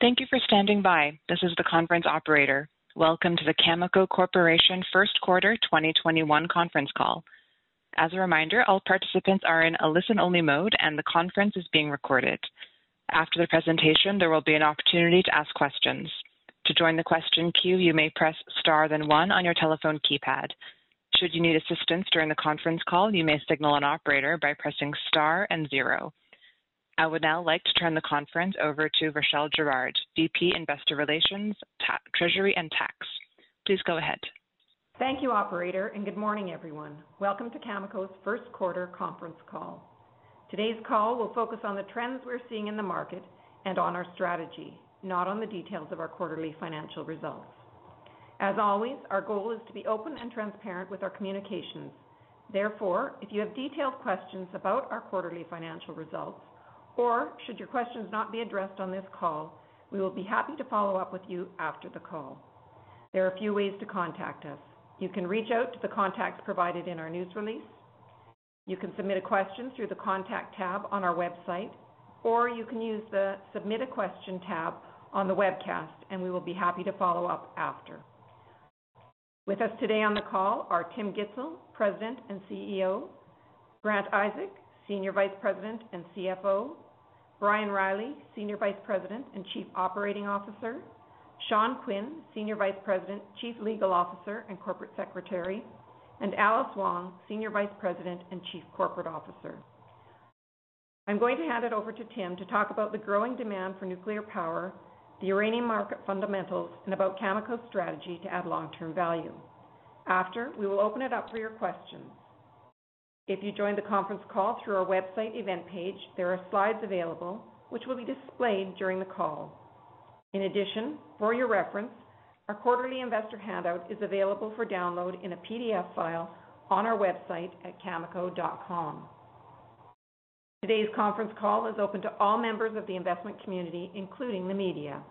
Thank you for standing by. This is the conference operator. Welcome to the Cameco Corporation first quarter 2021 conference call. As a reminder, all participants are in a listen-only mode and the conference is being recorded. After the presentation, there will be an opportunity to ask questions. To join the question queue, you may press star than one on your telephone keypad. Should you need assistance during the conference call, you may signal an operator by pressing star and zero. I would now like to turn the conference over to Rachelle Frenette, Vice-President, Investor Relations, Treasury & Tax. Please go ahead. Thank you operator. Good morning everyone. Welcome to Cameco's first quarter conference call. Today's call will focus on the trends we're seeing in the market and on our strategy, not on the details of our quarterly financial results. As always, our goal is to be open and transparent with our communications. If you have detailed questions about our quarterly financial results or should your questions not be addressed on this call, we will be happy to follow up with you after the call. There are a few ways to contact us. You can reach out to the contacts provided in our news release. You can submit a question through the contact tab on our website, or you can use the submit a question tab on the webcast and we will be happy to follow up after. With us today on the call are Tim Gitzel, President and CEO, Grant Isaac, Senior Vice President and CFO, Brian Reilly, Senior Vice President and Chief Operating Officer, Sean Quinn, Senior Vice President, Chief Legal Officer and Corporate Secretary, and Alice Wong, Senior Vice President and Chief Corporate Officer. I'm going to hand it over to Tim to talk about the growing demand for nuclear power, the uranium market fundamentals, and about Cameco's strategy to add long-term value. After, we will open it up for your questions. If you joined the conference call through our website event page, there are slides available which will be displayed during the call. In addition, for your reference, our quarterly investor handout is available for download in a PDF file on our website at cameco.com. Today's conference call is open to all members of the investment community, including the media.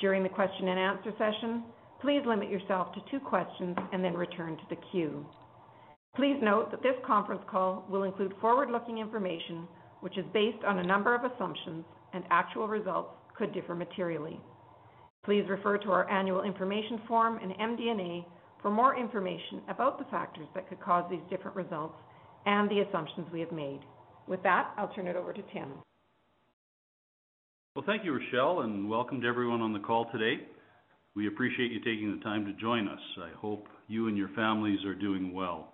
During the question and answer session, please limit yourself to two questions and then return to the queue. Please note that this conference call will include forward-looking information which is based on a number of assumptions and actual results could differ materially. Please refer to our annual information form and MD&A for more information about the factors that could cause these different results and the assumptions we have made. With that, I'll turn it over to Tim. Well, thank you Rachelle, and welcome to everyone on the call today. We appreciate you taking the time to join us. I hope you and your families are doing well.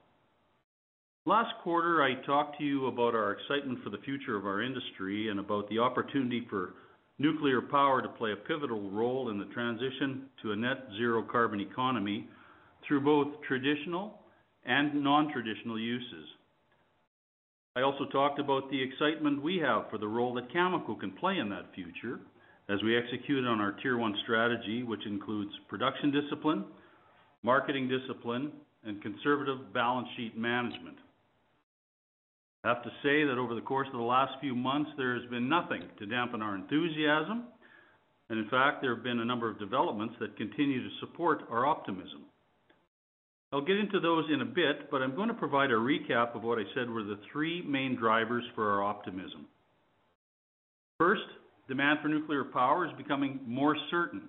Last quarter I talked to you about our excitement for the future of our industry and about the opportunity for nuclear power to play a pivotal role in the transition to a net zero carbon economy through both traditional and non-traditional uses. I also talked about the excitement we have for the role that Cameco can play in that future as we execute on our tier 1 strategy, which includes production discipline, marketing discipline, and conservative balance sheet management. I have to say that over the course of the last few months, there has been nothing to dampen our enthusiasm and in fact, there have been a number of developments that continue to support our optimism. I'll get into those in a bit. I'm going to provide a recap of what I said were the three main drivers for our optimism. First, demand for nuclear power is becoming more certain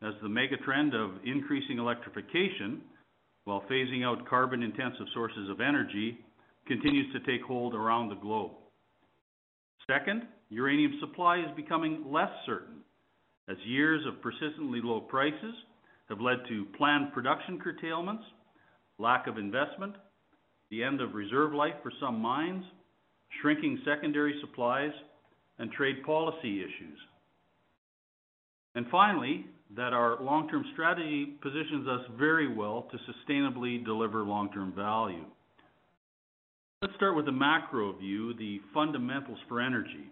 as the mega trend of increasing electrification while phasing out carbon intensive sources of energy continues to take hold around the globe. Second, uranium supply is becoming less certain as years of persistently low prices have led to planned production curtailments, lack of investment, the end of reserve life for some mines, shrinking secondary supplies and trade policy issues. Finally, our long-term strategy positions us very well to sustainably deliver long-term value. Let's start with the macro view, the fundamentals for energy.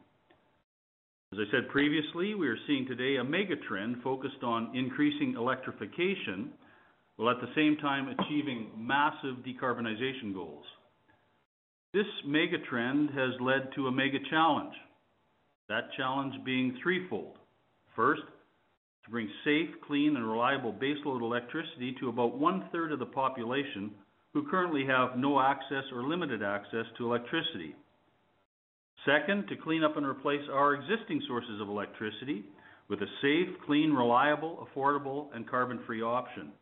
As I said previously, we are seeing today a mega trend focused on increasing electrification while at the same time achieving massive decarbonization goals. This mega trend has led to a mega challenge, that challenge being threefold. First, to bring safe, clean and reliable baseload electricity to about one-third of the population who currently have no access or limited access to electricity. Second, to clean up and replace our existing sources of electricity with a safe, clean, reliable, affordable and carbon-free option.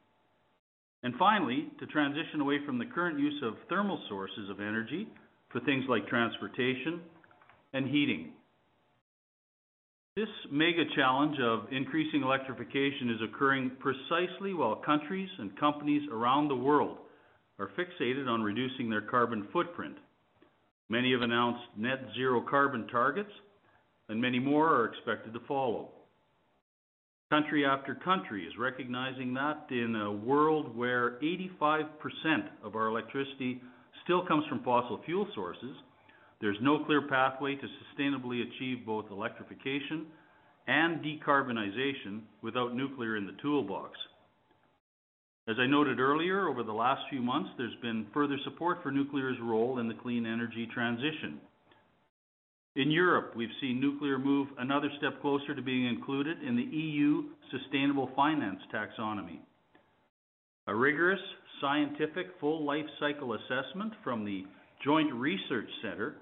Finally, to transition away from the current use of thermal sources of energy for things like transportation and heating. This mega challenge of increasing electrification is occurring precisely while countries and companies around the world are fixated on reducing their carbon footprint. Many have announced net zero carbon targets and many more are expected to follow. Country after country is recognizing that in a world where 85% of our electricity still comes from fossil fuel sources, there's no clear pathway to sustainably achieve both electrification and decarbonization without nuclear in the toolbox. As I noted earlier, over the last few months, there's been further support for nuclear's role in the clean energy transition. In Europe, we've seen nuclear move another step closer to being included in the EU sustainable finance taxonomy. A rigorous scientific full life cycle assessment from the Joint Research Centre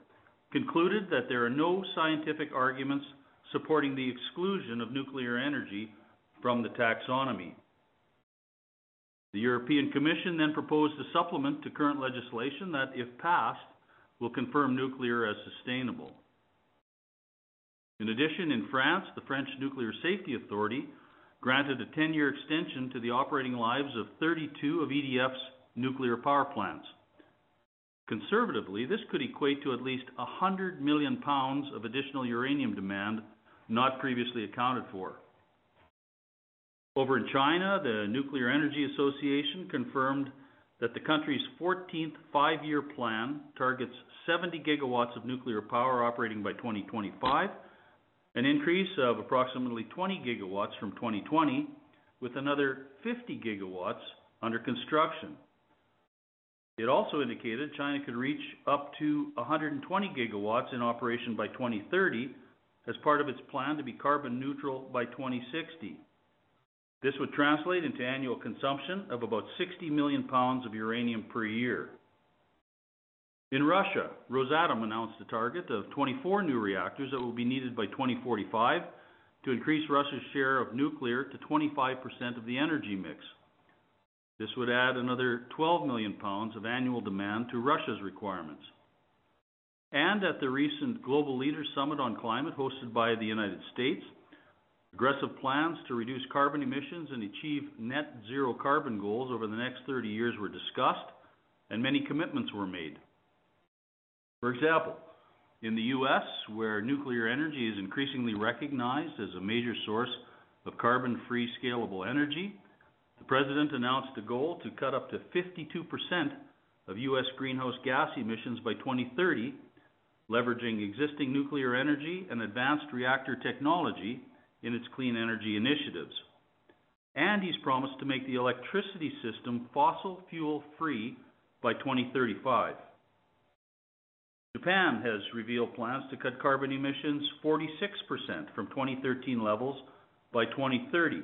concluded that there are no scientific arguments supporting the exclusion of nuclear energy from the taxonomy. The European Commission proposed a supplement to current legislation that, if passed, will confirm nuclear as sustainable. In France, the French Nuclear Safety Authority granted a 10-year extension to the operating lives of 32 of EDF's nuclear power plants. Conservatively, this could equate to at least 100 million pounds of additional uranium demand not previously accounted for. Over in China, the China Nuclear Energy Association confirmed that the country's 14th Five-Year Plan targets 70 GW of nuclear power operating by 2025, an increase of approximately 20 GW from 2020, with another 50 GW under construction. It also indicated China could reach up to 120 GW in operation by 2030 as part of its plan to be carbon neutral by 2060. This would translate into annual consumption of about 60 million pounds of uranium per year. In Russia, Rosatom announced a target of 24 new reactors that will be needed by 2045 to increase Russia's share of nuclear to 25% of the energy mix. This would add another 12 million pounds of annual demand to Russia's requirements. At the recent Leaders Summit on Climate hosted by the United States, aggressive plans to reduce carbon emissions and achieve net zero carbon goals over the next 30 years were discussed, and many commitments were made. For example, in the U.S., where nuclear energy is increasingly recognized as a major source of carbon-free scalable energy, the president announced a goal to cut up to 52% of U.S. greenhouse gas emissions by 2030, leveraging existing nuclear energy and advanced reactor technology in its clean energy initiatives. He's promised to make the electricity system fossil fuel-free by 2035. Japan has revealed plans to cut carbon emissions 46% from 2013 levels by 2030,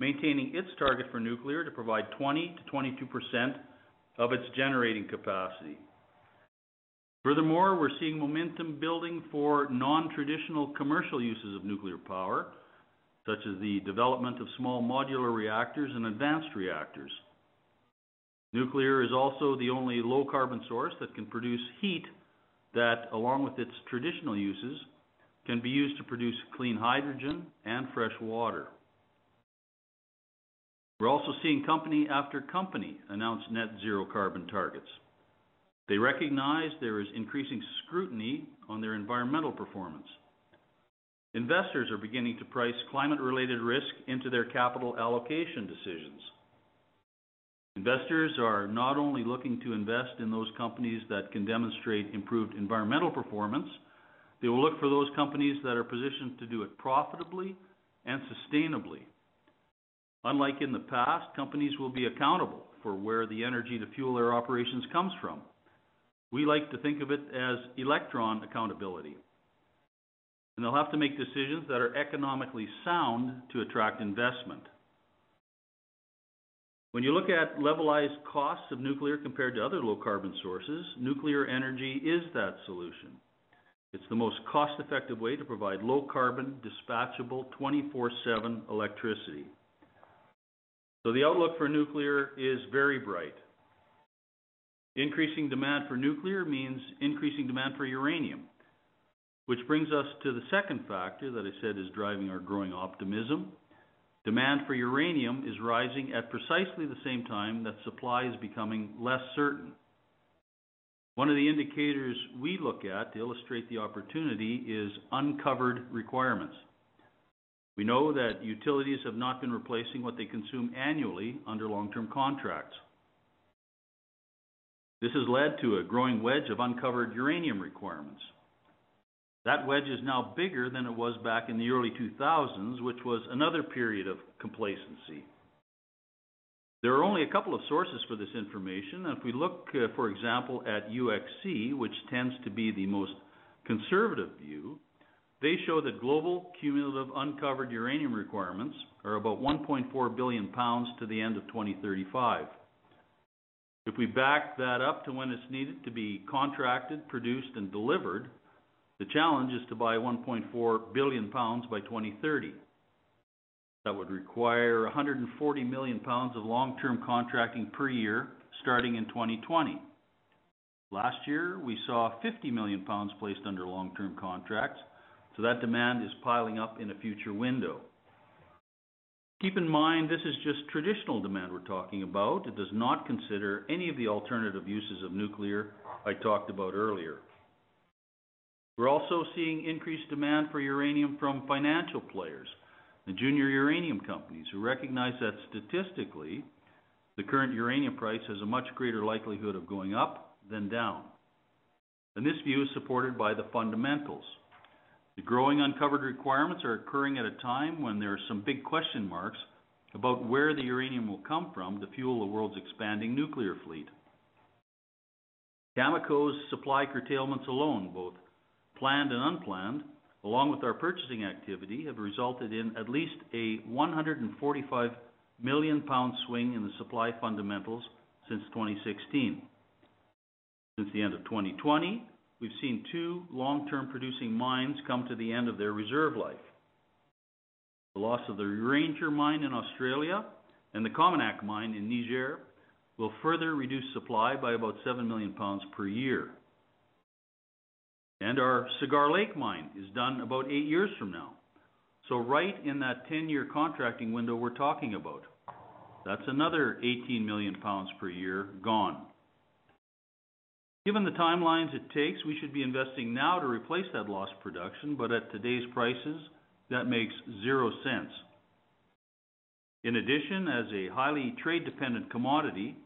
maintaining its target for nuclear to provide 20%-22% of its generating capacity. Furthermore, we're seeing momentum building for non-traditional commercial uses of nuclear power, such as the development of small modular reactors and advanced reactors. Nuclear is also the only low-carbon source that can produce heat that, along with its traditional uses, can be used to produce clean hydrogen and fresh water. We're also seeing company after company announce net zero carbon targets. They recognize there is increasing scrutiny on their environmental performance. Investors are beginning to price climate-related risk into their capital allocation decisions. Investors are not only looking to invest in those companies that can demonstrate improved environmental performance, they will look for those companies that are positioned to do it profitably and sustainably. Unlike in the past, companies will be accountable for where the energy to fuel their operations comes from. We like to think of it as electron accountability. They'll have to make decisions that are economically sound to attract investment. When you look at levelized costs of nuclear compared to other low-carbon sources, nuclear energy is that solution. It's the most cost-effective way to provide low-carbon, dispatchable, 24/7 electricity. The outlook for nuclear is very bright. Increasing demand for nuclear means increasing demand for uranium, which brings us to the second factor that I said is driving our growing optimism. Demand for uranium is rising at precisely the same time that supply is becoming less certain. One of the indicators we look at to illustrate the opportunity is uncovered requirements. We know that utilities have not been replacing what they consume annually under long-term contracts. This has led to a growing wedge of uncovered uranium requirements. That wedge is now bigger than it was back in the early 2000s, which was another period of complacency. There are only a couple of sources for this information, and if we look, for example, at UxC, which tends to be the most conservative view, they show that global cumulative uncovered uranium requirements are about 1.4 billion pounds to the end of 2035. If we back that up to when it's needed to be contracted, produced, and delivered, the challenge is to buy 1.4 billion pounds by 2030. That would require 140 million pounds of long-term contracting per year starting in 2020. Last year, we saw 50 million pounds placed under long-term contracts, so that demand is piling up in a future window. Keep in mind, this is just traditional demand we're talking about. It does not consider any of the alternative uses of nuclear I talked about earlier. We're also seeing increased demand for uranium from financial players and junior uranium companies who recognize that statistically, the current uranium price has a much greater likelihood of going up than down. This view is supported by the fundamentals. The growing uncovered requirements are occurring at a time when there are some big question marks about where the uranium will come from to fuel the world's expanding nuclear fleet. Cameco's supply curtailments alone, both planned and unplanned, along with our purchasing activity, have resulted in at least a 145 million pounds swing in the supply fundamentals since 2016. Since the end of 2020, we've seen two long-term producing mines come to the end of their reserve life. The loss of the Ranger mine in Australia and the COMINAK mine in Niger will further reduce supply by about seven million pounds per year. Our Cigar Lake mine is done about eight years from now, so right in that 10-year contracting window we're talking about. That's another 18 million pounds per year gone. Given the timelines it takes, we should be investing now to replace that lost production, but at today's prices, that makes zero sense. In addition, as a highly trade-dependent commodity,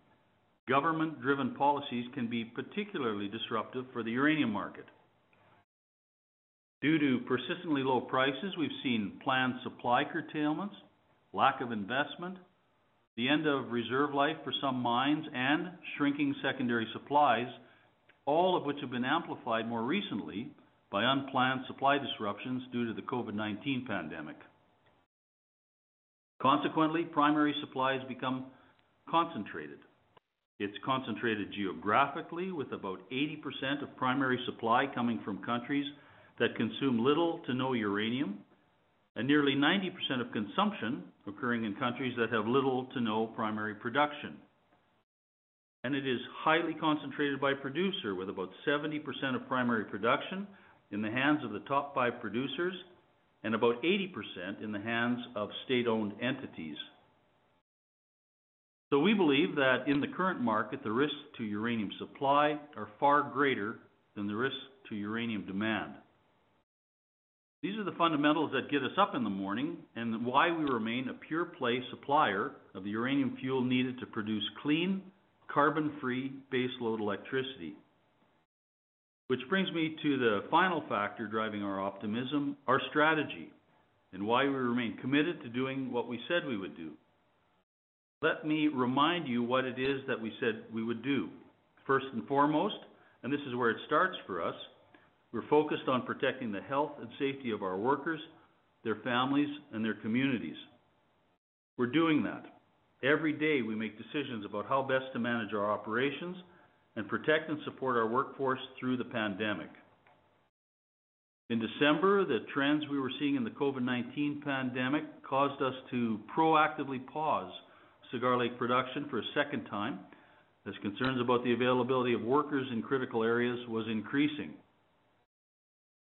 government-driven policies can be particularly disruptive for the uranium market. Due to persistently low prices, we've seen planned supply curtailments, lack of investment, the end of reserve life for some mines, and shrinking secondary supplies, all of which have been amplified more recently by unplanned supply disruptions due to the COVID-19 pandemic. Consequently, primary supply has become concentrated. It's concentrated geographically, with about 80% of primary supply coming from countries that consume little to no uranium, and nearly 90% of consumption occurring in countries that have little to no primary production. It is highly concentrated by producer, with about 70% of primary production in the hands of the top five producers and about 80% in the hands of state-owned entities. We believe that in the current market, the risks to uranium supply are far greater than the risks to uranium demand. These are the fundamentals that get us up in the morning and why we remain a pure play supplier of the uranium fuel needed to produce clean, carbon-free baseload electricity. Which brings me to the final factor driving our optimism, our strategy, and why we remain committed to doing what we said we would do. Let me remind you what it is that we said we would do. First and foremost, and this is where it starts for us, we're focused on protecting the health and safety of our workers, their families, and their communities. We're doing that. Every day, we make decisions about how best to manage our operations and protect and support our workforce through the pandemic. In December, the trends we were seeing in the COVID-19 pandemic caused us to proactively pause Cigar Lake production for a second time, as concerns about the availability of workers in critical areas was increasing.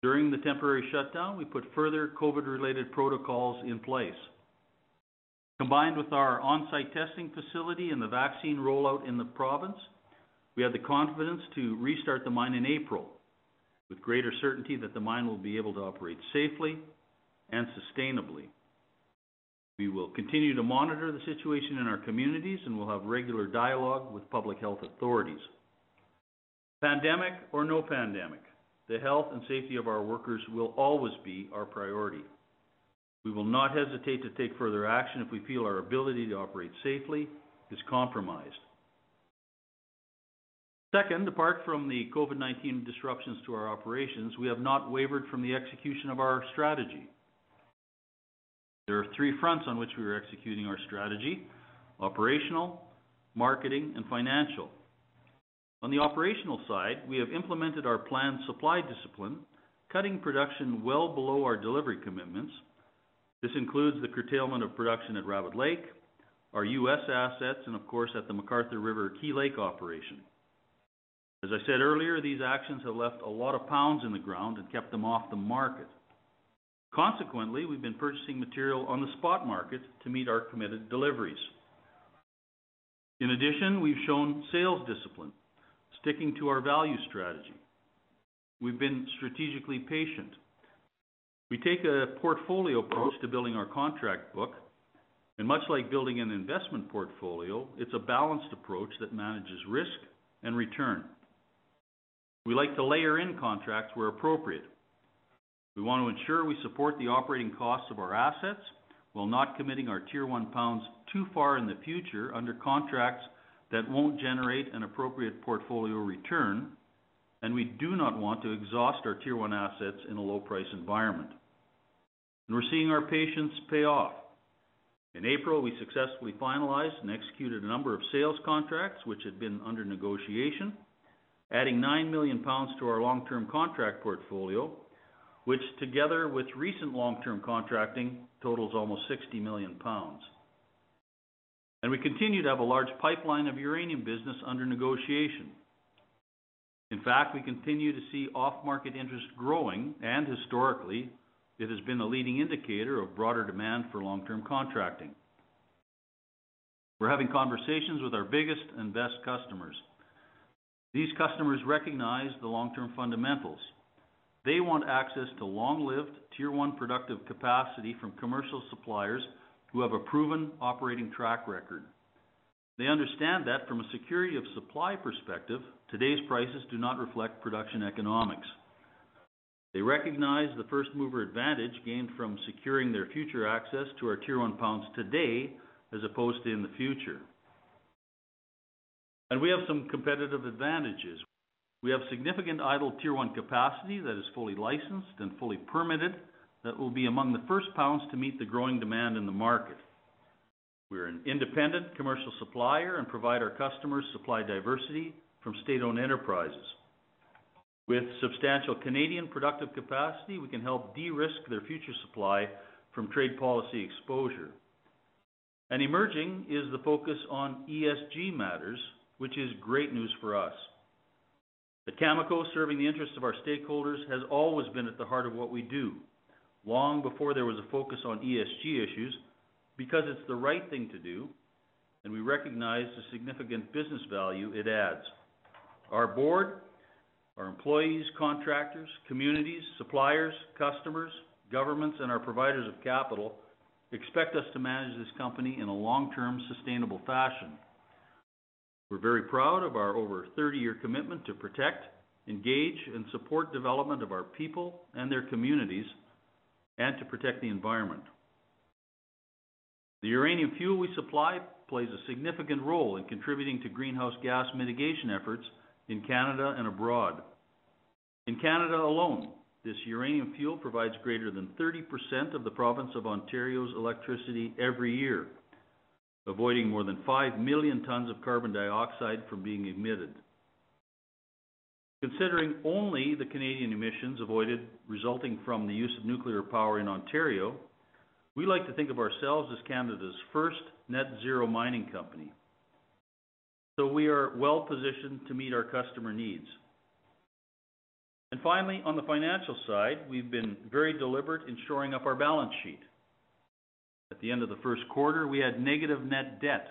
During the temporary shutdown, we put further COVID-related protocols in place. Combined with our on-site testing facility and the vaccine rollout in the province, we have the confidence to restart the mine in April with greater certainty that the mine will be able to operate safely and sustainably. We will continue to monitor the situation in our communities, and we'll have regular dialogue with public health authorities. Pandemic or no pandemic, the health and safety of our workers will always be our priority. We will not hesitate to take further action if we feel our ability to operate safely is compromised. Second, apart from the COVID-19 disruptions to our operations, we have not wavered from the execution of our strategy. There are three fronts on which we are executing our strategy: operational, marketing, and financial. On the operational side, we have implemented our planned supply discipline, cutting production well below our delivery commitments. This includes the curtailment of production at Rabbit Lake, our U.S. assets, and of course, at the McArthur River/Key Lake operation. As I said earlier, these actions have left a lot of pounds in the ground and kept them off the market. Consequently, we've been purchasing material on the spot market to meet our committed deliveries. In addition, we've shown sales discipline, sticking to our value strategy. We've been strategically patient. We take a portfolio approach to building our contract book, and much like building an investment portfolio, it's a balanced approach that manages risk and return. We like to layer in contracts where appropriate. We want to ensure we support the operating costs of our assets while not committing our tier 1 pounds too far in the future under contracts that won't generate an appropriate portfolio return, and we do not want to exhaust our tier 1 assets in a low-price environment. We're seeing our patience pay off. In April, we successfully finalized and executed a number of sales contracts which had been under negotiation, adding nine million pounds to our long-term contract portfolio, which together with recent long-term contracting, totals almost 60 million pounds. We continue to have a large pipeline of uranium business under negotiation. In fact, we continue to see off-market interest growing, and historically, it has been a leading indicator of broader demand for long-term contracting. We're having conversations with our biggest and best customers. These customers recognize the long-term fundamentals. They want access to long-lived, Tier 1 productive capacity from commercial suppliers who have a proven operating track record. They understand that from a security of supply perspective, today's prices do not reflect production economics. They recognize the first-mover advantage gained from securing their future access to our Tier 1 pounds today as opposed to in the future. We have some competitive advantages. We have significant idle Tier 1 capacity that is fully licensed and fully permitted that will be among the first pounds to meet the growing demand in the market. We're an independent commercial supplier and provide our customers supply diversity from state-owned enterprises. With substantial Canadian productive capacity, we can help de-risk their future supply from trade policy exposure. Emerging is the focus on ESG matters, which is great news for us. At Cameco, serving the interests of our stakeholders has always been at the heart of what we do, long before there was a focus on ESG issues, because it's the right thing to do, and we recognize the significant business value it adds. Our board, our employees, contractors, communities, suppliers, customers, governments, and our providers of capital expect us to manage this company in a long-term, sustainable fashion. We're very proud of our over 30-year commitment to protect, engage, and support development of our people and their communities, and to protect the environment. The uranium fuel we supply plays a significant role in contributing to greenhouse gas mitigation efforts in Canada and abroad. In Canada alone, this uranium fuel provides greater than 30% of the province of Ontario's electricity every year, avoiding more than 5 million tons of carbon dioxide from being emitted. Considering only the Canadian emissions avoided resulting from the use of nuclear power in Ontario, we like to think of ourselves as Canada's first net zero mining company. We are well-positioned to meet our customer needs. Finally, on the financial side, we've been very deliberate in shoring up our balance sheet. At the end of the first quarter, we had negative net debt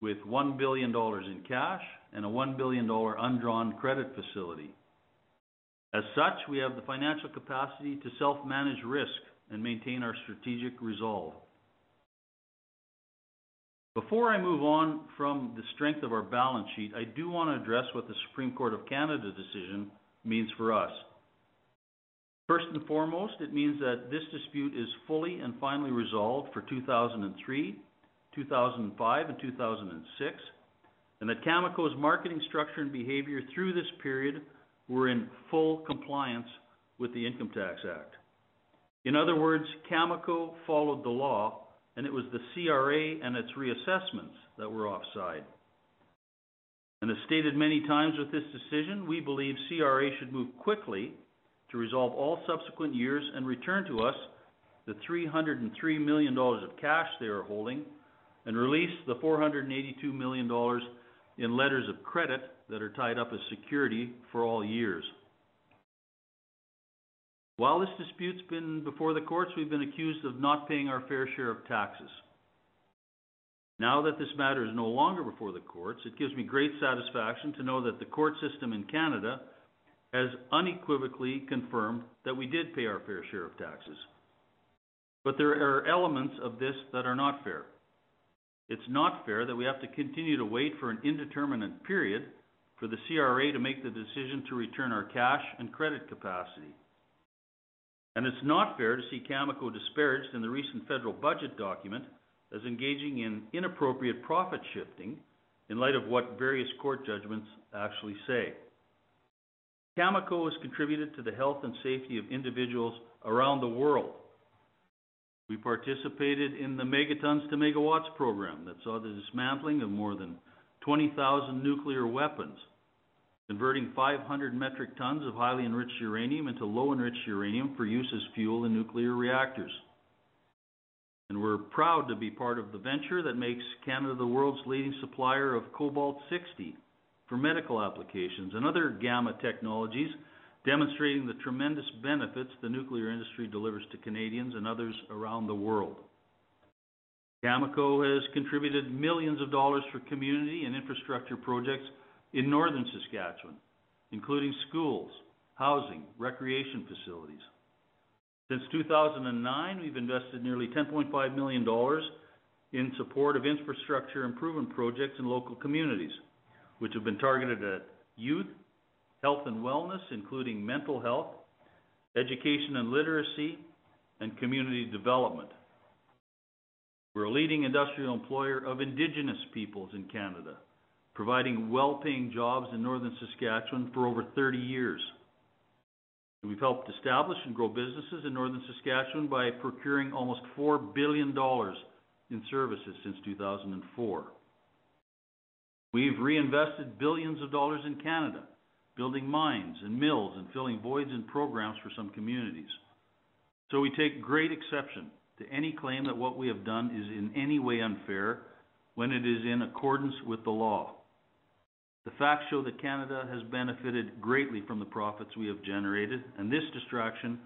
with 1 billion dollars in cash and a 1 billion dollar undrawn credit facility. As such, we have the financial capacity to self-manage risk and maintain our strategic resolve. Before I move on from the strength of our balance sheet, I do want to address what the Supreme Court of Canada decision means for us. First and foremost, it means that this dispute is fully and finally resolved for 2003, 2005, and 2006, and that Cameco's marketing structure and behavior through this period were in full compliance with the Income Tax Act. In other words, Cameco followed the law and it was the CRA and its reassessments that were offside. As stated many times with this decision, we believe CRA should move quickly to resolve all subsequent years and return to us the 303 million dollars of cash they are holding and release the 482 million dollars in letters of credit that are tied up as security for all years. While this dispute's been before the courts, we've been accused of not paying our fair share of taxes. Now that this matter is no longer before the courts, it gives me great satisfaction to know that the court system in Canada has unequivocally confirmed that we did pay our fair share of taxes. There are elements of this that are not fair. It's not fair that we have to continue to wait for an indeterminate period for the CRA to make the decision to return our cash and credit capacity. It's not fair to see Cameco disparaged in the recent federal budget document as engaging in inappropriate profit shifting in light of what various court judgments actually say. Cameco has contributed to the health and safety of individuals around the world. We participated in the Megatons to Megawatts program that saw the dismantling of more than 20,000 nuclear weapons, converting 500 metric tons of highly enriched uranium into low enriched uranium for use as fuel in nuclear reactors. We're proud to be part of the venture that makes Canada the world's leading supplier of cobalt-60 for medical applications and other gamma technologies, demonstrating the tremendous benefits the nuclear industry delivers to Canadians and others around the world. Cameco has contributed millions of CAD for community and infrastructure projects in northern Saskatchewan, including schools, housing, recreation facilities. Since 2009, we've invested nearly 10.5 million dollars in support of infrastructure improvement projects in local communities, which have been targeted at youth, health and wellness, including mental health, education and literacy, and community development. We're a leading industrial employer of indigenous peoples in Canada, providing well-paying jobs in northern Saskatchewan for over 30 years. We've helped establish and grow businesses in northern Saskatchewan by procuring almost 4 billion dollars in services since 2004. We've reinvested billions of CAD in Canada, building mines and mills and filling voids in programs for some communities. We take great exception to any claim that what we have done is in any way unfair when it is in accordance with the law. The facts show that Canada has benefited greatly from the profits we have generated, and this distraction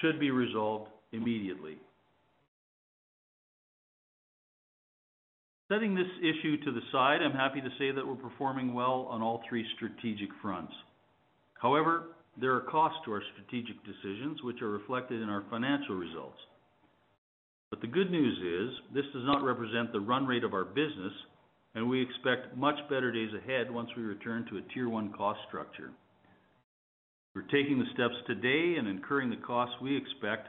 should be resolved immediately. Setting this issue to the side, I'm happy to say that we're performing well on all three strategic fronts. However, there are costs to our strategic decisions which are reflected in our financial results. The good news is this does not represent the run rate of our business, and we expect much better days ahead once we return to a Tier 1 cost structure. We're taking the steps today and incurring the costs we expect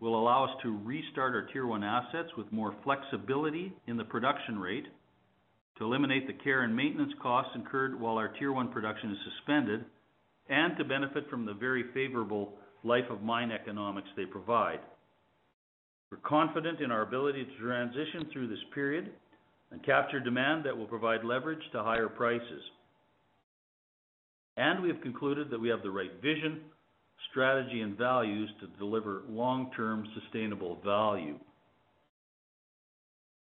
will allow us to restart our Tier 1 assets with more flexibility in the production rate, to eliminate the care and maintenance costs incurred while our Tier 1 production is suspended, and to benefit from the very favorable life of mine economics they provide. We're confident in our ability to transition through this period and capture demand that will provide leverage to higher prices. We have concluded that we have the right vision, strategy, and values to deliver long-term sustainable value.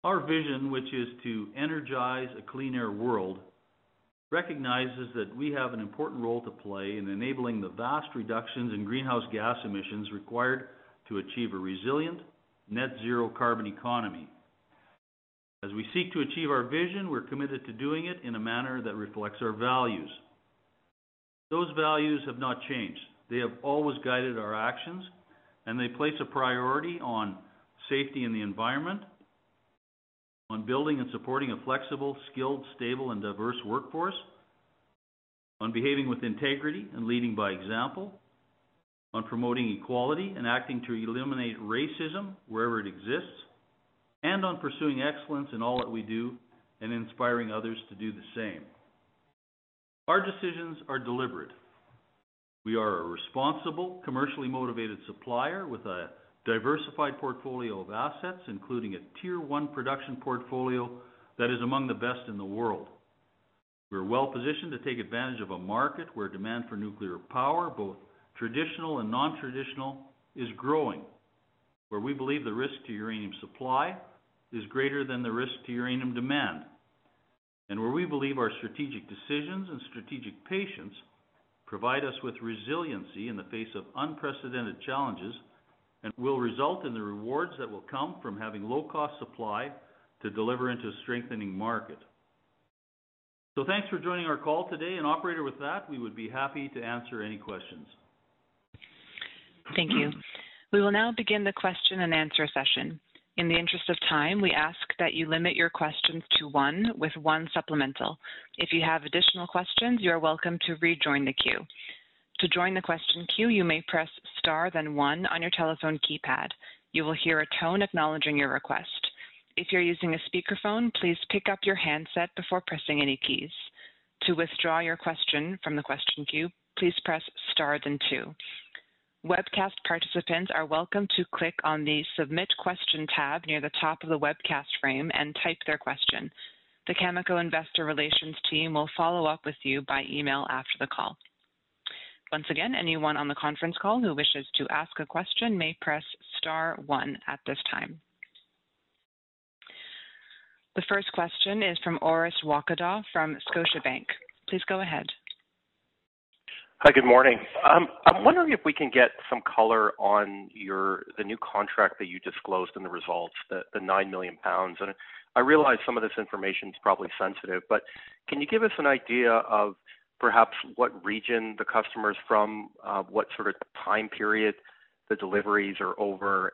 Our vision, which is to energize a clean air world, recognizes that we have an important role to play in enabling the vast reductions in greenhouse gas emissions required to achieve a resilient net zero carbon economy. As we seek to achieve our vision, we are committed to doing it in a manner that reflects our values. Those values have not changed. They have always guided our actions, and they place a priority on safety and the environment, on building and supporting a flexible, skilled, stable, and diverse workforce, on behaving with integrity and leading by example, on promoting equality and acting to eliminate racism wherever it exists, and on pursuing excellence in all that we do and inspiring others to do the same. Our decisions are deliberate. We are a responsible, commercially motivated supplier with a diversified portfolio of assets, including a Tier 1 production portfolio that is among the best in the world. We're well-positioned to take advantage of a market where demand for nuclear power, both traditional and non-traditional, is growing, where we believe the risk to uranium supply is greater than the risk to uranium demand, and where we believe our strategic decisions and strategic patience provide us with resiliency in the face of unprecedented challenges and will result in the rewards that will come from having low-cost supply to deliver into a strengthening market. Thanks for joining our call today, and operator, with that, we would be happy to answer any questions. Thank you. We will now begin the question and answer session. In the interest of time, we ask that you limit your questions to one with one supplemental. If you have additional questions, you are welcome to rejoin the queue. To join the question queue, you may press star then one on your telephone keypad. You will hear a tone acknowledging your request. If you're using a speakerphone, please pick up your handset before pressing any keys. To withdraw your question from the question queue, please press star then two. Webcast participants are welcome to click on the Submit Question tab near the top of the webcast frame and type their question. The Cameco investor relations team will follow up with you by email after the call. Once again, anyone on the conference call who wishes to ask a question may press star one at this time. The first question is from Orest Wowkodaw from Scotiabank. Please go ahead. Hi, good morning. I'm wondering if we can get some color on the new contract that you disclosed in the results, the 9 million pounds. I realize some of this information is probably sensitive, but can you give us an idea of perhaps what region the customer is from, what sort of time period the deliveries are over?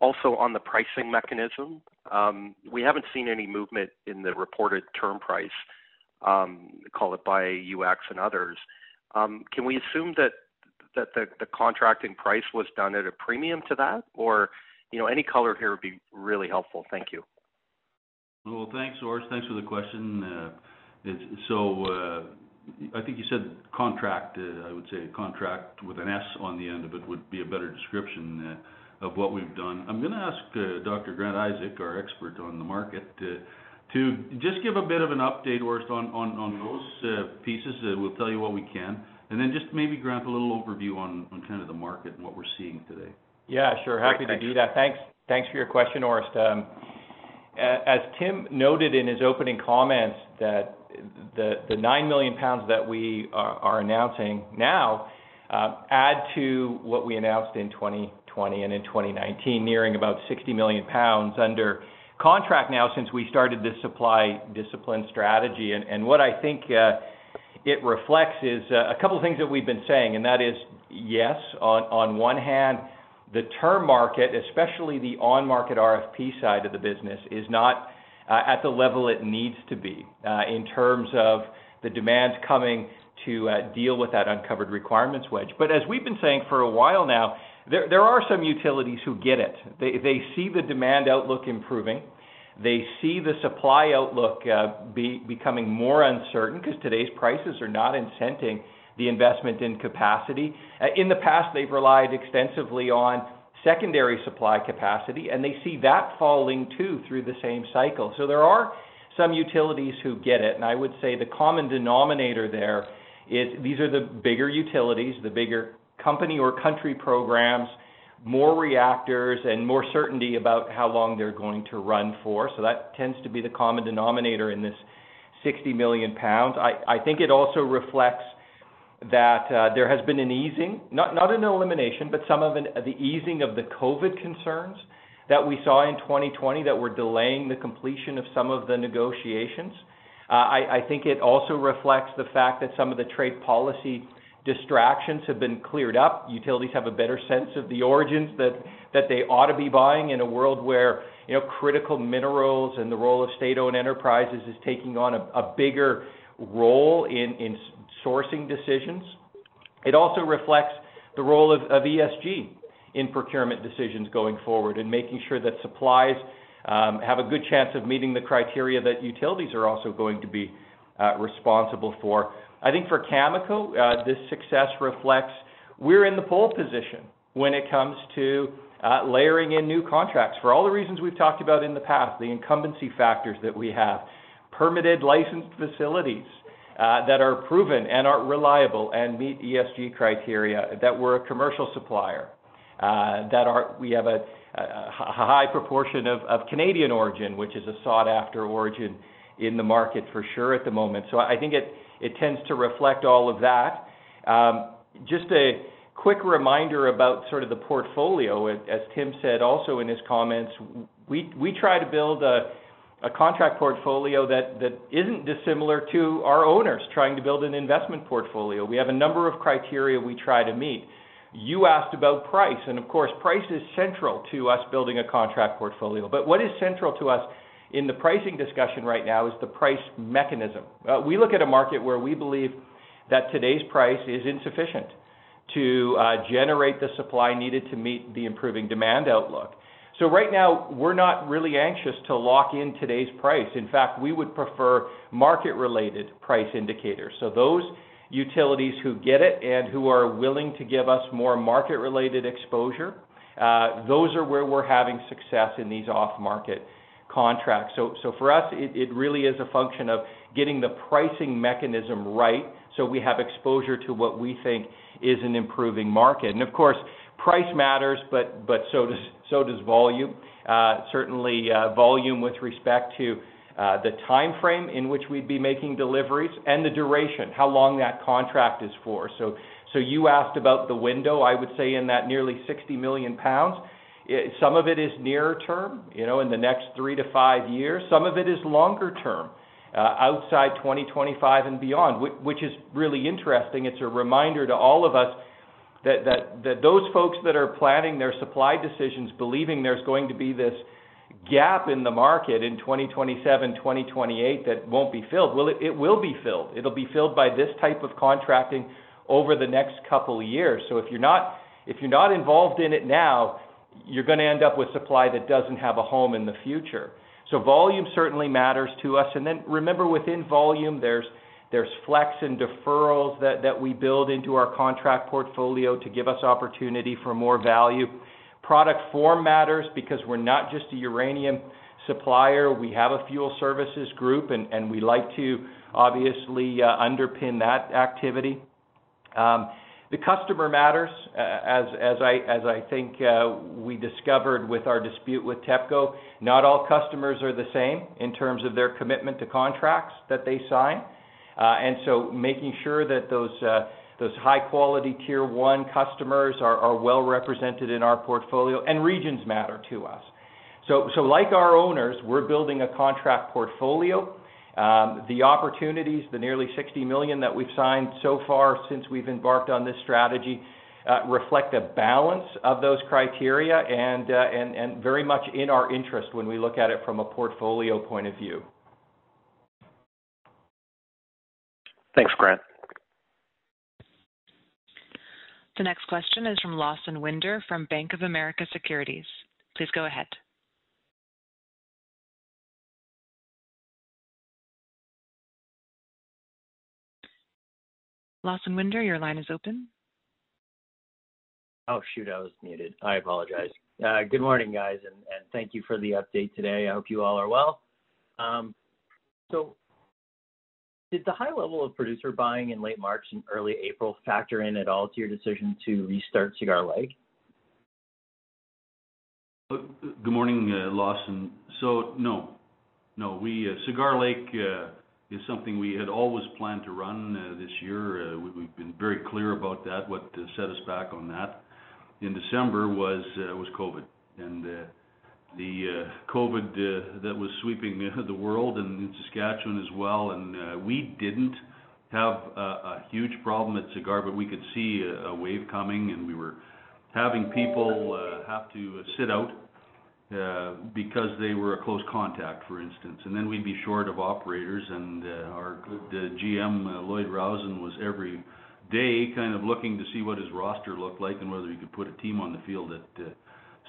Also on the pricing mechanism, we haven't seen any movement in the reported term price, call it by UxC and others. Can we assume that the contracting price was done at a premium to that? Any color here would be really helpful. Thank you. Well, thanks, Orest. Thanks for the question. I think you said contract. I would say contract with an S on the end of it would be a better description of what we've done. I'm going to ask Dr. Grant Isaac, our expert on the market, to just give a bit of an update first on those pieces. We'll tell you what we can, and then just maybe Grant a little overview on kind of the market and what we're seeing today. Yeah, sure. Happy to do that. Thanks. Thanks for your question, Orest. As Tim noted in his opening comments that the 9 million pounds that we are announcing now add to what we announced in 2020 and in 2019, nearing about 60 million pounds under contract now since we started this supply discipline strategy. What I think it reflects is a couple of things that we've been saying, and that is, yes, on one hand, the term market, especially the on-market RFP side of the business, is not at the level it needs to be in terms of the demands coming to deal with that uncovered requirements wedge. But as we've been saying for a while now, there are some utilities who get it. They see the demand outlook improving. They see the supply outlook becoming more uncertain because today's prices are not incenting the investment in capacity. In the past, they've relied extensively on secondary supply capacity, and they see that falling too through the same cycle. There are some utilities who get it, and I would say the common denominator there is these are the bigger utilities, the bigger company or country programs, more reactors and more certainty about how long they're going to run for. That tends to be the common denominator in this 60 million pounds. I think it also reflects that there has been an easing, not an elimination, but some of the easing of the COVID-19 concerns that we saw in 2020 that were delaying the completion of some of the negotiations. I think it also reflects the fact that some of the trade policy distractions have been cleared up. Utilities have a better sense of the origins that they ought to be buying in a world where critical minerals and the role of state-owned enterprises is taking on a bigger role in sourcing decisions. It also reflects the role of ESG in procurement decisions going forward and making sure that supplies have a good chance of meeting the criteria that utilities are also going to be responsible for. I think for Cameco, this success reflects we're in the pole position when it comes to layering in new contracts for all the reasons we've talked about in the past, the incumbency factors that we have, permitted licensed facilities that are proven and are reliable and meet ESG criteria, that we're a commercial supplier, that we have a high proportion of Canadian origin, which is a sought-after origin in the market for sure at the moment. I think it tends to reflect all of that. Just a quick reminder about the portfolio. As Tim said also in his comments, we try to build a contract portfolio that isn't dissimilar to our owners trying to build an investment portfolio. We have a number of criteria we try to meet. You asked about price, and of course, price is central to us building a contract portfolio. What is central to us in the pricing discussion right now is the price mechanism. We look at a market where we believe that today's price is insufficient to generate the supply needed to meet the improving demand outlook. Right now, we're not really anxious to lock in today's price. In fact, we would prefer market-related price indicators. Those utilities who get it and who are willing to give us more market-related exposure, those are where we're having success in these off-market contracts. For us, it really is a function of getting the pricing mechanism right so we have exposure to what we think is an improving market. Of course, price matters, but so does volume. Certainly volume with respect to the timeframe in which we'd be making deliveries and the duration, how long that contract is for. You asked about the window. I would say in that nearly 60 million pounds, some of it is nearer term, in the next three-five years. Some of it is longer term, outside 2025 and beyond, which is really interesting. It's a reminder to all of us that those folks that are planning their supply decisions, believing there's going to be this gap in the market in 2027, 2028, that won't be filled. It will be filled. It'll be filled by this type of contracting over the next couple of years. If you're not involved in it now, you're going to end up with supply that doesn't have a home in the future. Volume certainly matters to us. Remember, within volume, there's flex and deferrals that we build into our contract portfolio to give us opportunity for more value. Product form matters because we're not just a uranium supplier. We have a fuel services group, and we like to obviously underpin that activity. The customer matters, as I think we discovered with our dispute with TEPCO. Not all customers are the same in terms of their commitment to contracts that they sign. Making sure that those high-quality tier 1 customers are well-represented in our portfolio, and regions matter to us. Like our owners, we're building a contract portfolio. The opportunities, the nearly 60 million that we've signed so far since we've embarked on this strategy reflect a balance of those criteria and very much in our interest when we look at it from a portfolio point of view. Thanks, Grant. The next question is from Lawson Winder from Bank of America Securities. Please go ahead. Lawson Winder, your line is open. Oh, shoot, I was muted. I apologize. Good morning, guys. Thank you for the update today. I hope you all are well. Did the high level of producer buying in late March and early April factor in at all to your decision to restart Cigar Lake? Good morning, Lawson Winder. No. Cigar Lake is something we had always planned to run this year. We've been very clear about that. What set us back on that in December was COVID, and the COVID that was sweeping the world and in Saskatchewan as well, and we didn't have a huge problem at Cigar, but we could see a wave coming, and we were having people have to sit out because they were a close contact, for instance. Then we'd be short of operators, and our good GM, Lloyd Rowson, was every day kind of looking to see what his roster looked like and whether he could put a team on the field at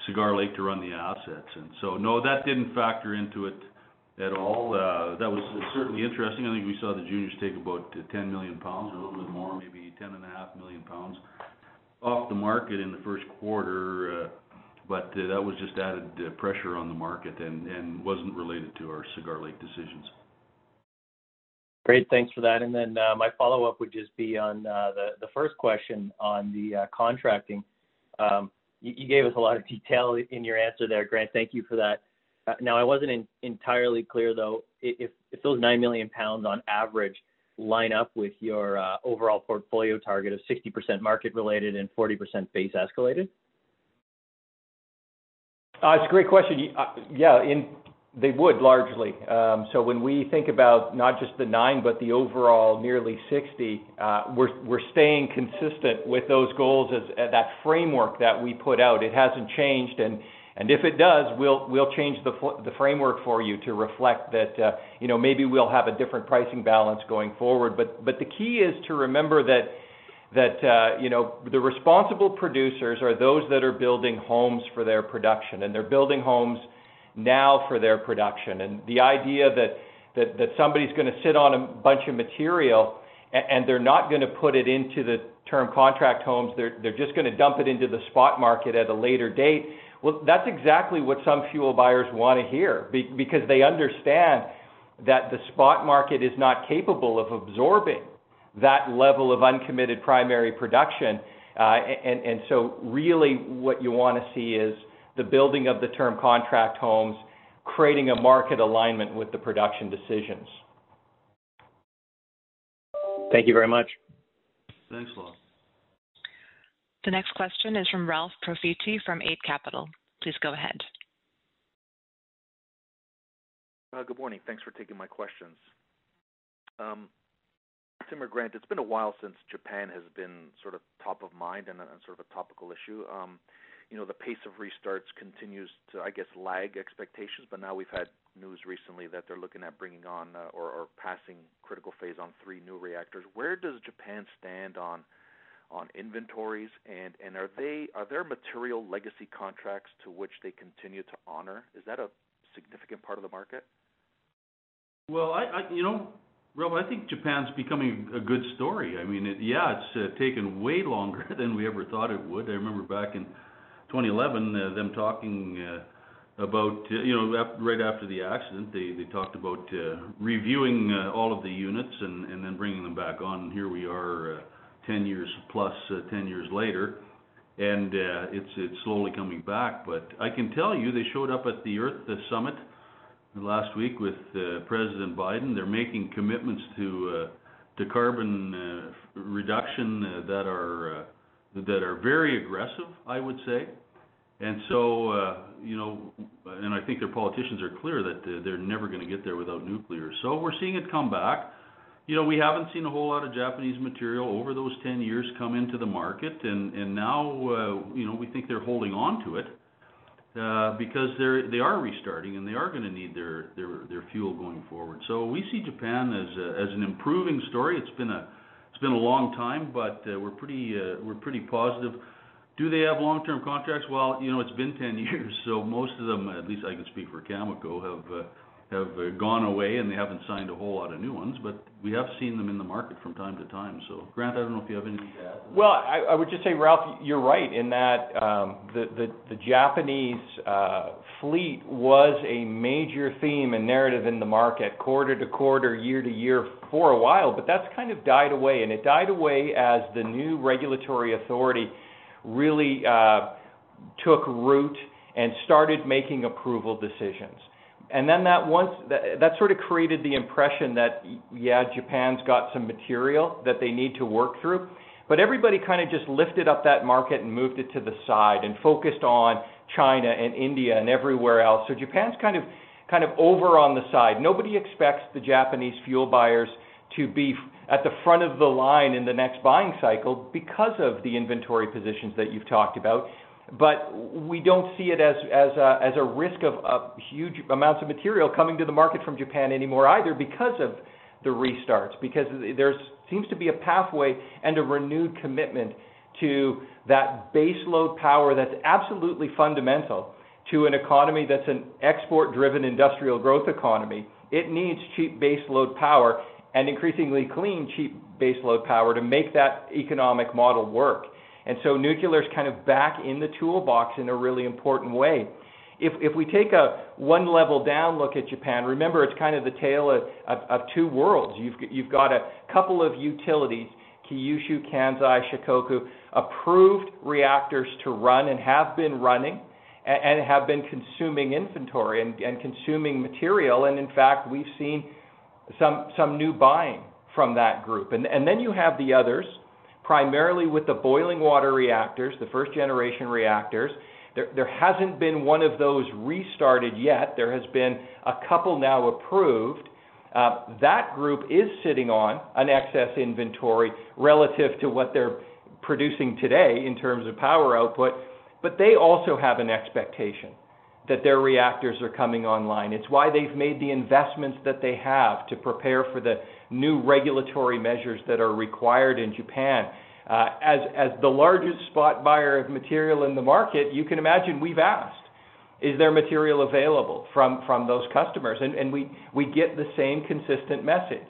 Cigar Lake to run the assets. So, no, that didn't factor into it at all. That was certainly interesting. I think we saw the juniors take about 10 million pounds or a little bit more, maybe 10.5 million pounds off the market in the first quarter. That was just added pressure on the market and wasn't related to our Cigar Lake decisions. Great. Thanks for that. My follow-up would just be on the first question on the contracting. You gave us a lot of detail in your answer there, Grant. Thank you for that. I wasn't entirely clear, though, if those 9 million pounds on average line up with your overall portfolio target of 60% market related and 40% base escalated It's a great question. Yeah, they would largely. When we think about not just the nine but the overall nearly 60, we're staying consistent with those goals, that framework that we put out. It hasn't changed, and if it does, we'll change the framework for you to reflect that maybe we'll have a different pricing balance going forward. The key is to remember that the responsible producers are those that are building homes for their production, and they're building homes now for their production. The idea that somebody's going to sit on a bunch of material and they're not going to put it into the term contract homes, they're just going to dump it into the spot market at a later date. Well, that's exactly what some fuel buyers want to hear, because they understand that the spot market is not capable of absorbing that level of uncommitted primary production. Really what you want to see is the building of the term contract homes, creating a market alignment with the production decisions. Thank you very much. Thanks, Law. The next question is from Ralph Profiti from Eight Capital. Please go ahead. Good morning. Thanks for taking my questions. Tim or Grant, it's been a while since Japan has been top of mind and a topical issue. The pace of restarts continues to, I guess, lag expectations. Now we've had news recently that they're looking at bringing on or passing critical phase on three new reactors. Where does Japan stand on inventories? Are there material legacy contracts to which they continue to honor? Is that a significant part of the market? Well, Ralph, I think Japan's becoming a good story. Yeah, it's taken way longer than we ever thought it would. I remember back in 2011, them talking about, right after the accident, they talked about reviewing all of the units and then bringing them back on. Here we are 10 years plus, 10 years later, it's slowly coming back. I can tell you, they showed up at the Leaders Summit on Climate last week with President Biden. They're making commitments to carbon reduction that are very aggressive, I would say. I think their politicians are clear that they're never going to get there without nuclear. We're seeing it come back. We haven't seen a whole lot of Japanese material over those 10 years come into the market, and now we think they're holding on to it because they are restarting and they are going to need their fuel going forward. We see Japan as an improving story. It's been a long time, but we're pretty positive. Do they have long-term contracts? Well, it's been 10 years, so most of them, at least I can speak for Cameco, have gone away and they haven't signed a whole lot of new ones, but we have seen them in the market from time to time. Grant, I don't know if you have anything to add. I would just say, Ralph, you're right in that the Japanese fleet was a major theme and narrative in the market quarter to quarter, year to year for a while, but that's kind of died away. It died away as the new regulatory authority really took root and started making approval decisions. That sort of created the impression that, yeah, Japan's got some material that they need to work through. Everybody kind of just lifted up that market and moved it to the side and focused on China and India and everywhere else. Japan's kind of over on the side. Nobody expects the Japanese fuel buyers to be at the front of the line in the next buying cycle because of the inventory positions that you've talked about. We don't see it as a risk of huge amounts of material coming to the market from Japan anymore either because of the restarts, because there seems to be a pathway and a renewed commitment to that baseload power that's absolutely fundamental to an economy that's an export-driven industrial growth economy. It needs cheap baseload power and increasingly clean, cheap baseload power to make that economic model work. And so nuclear is kind of back in the toolbox in a really important way. If we take a one-level-down look at Japan, remember, it's kind of the tale of two worlds. You've got a couple of utilities, Kyushu, Kansai, Shikoku, approved reactors to run and have been running and have been consuming inventory and consuming material. And in fact, we've seen some new buying from that group. You have the others, primarily with the boiling water reactors, the first-generation reactors. There hasn't been one of those restarted yet. There has been a couple now approved. That group is sitting on an excess inventory relative to what they're producing today in terms of power output, but they also have an expectation that their reactors are coming online. It's why they've made the investments that they have to prepare for the new regulatory measures that are required in Japan. As the largest spot buyer of material in the market, you can imagine we've asked, "Is there material available from those customers?" We get the same consistent message.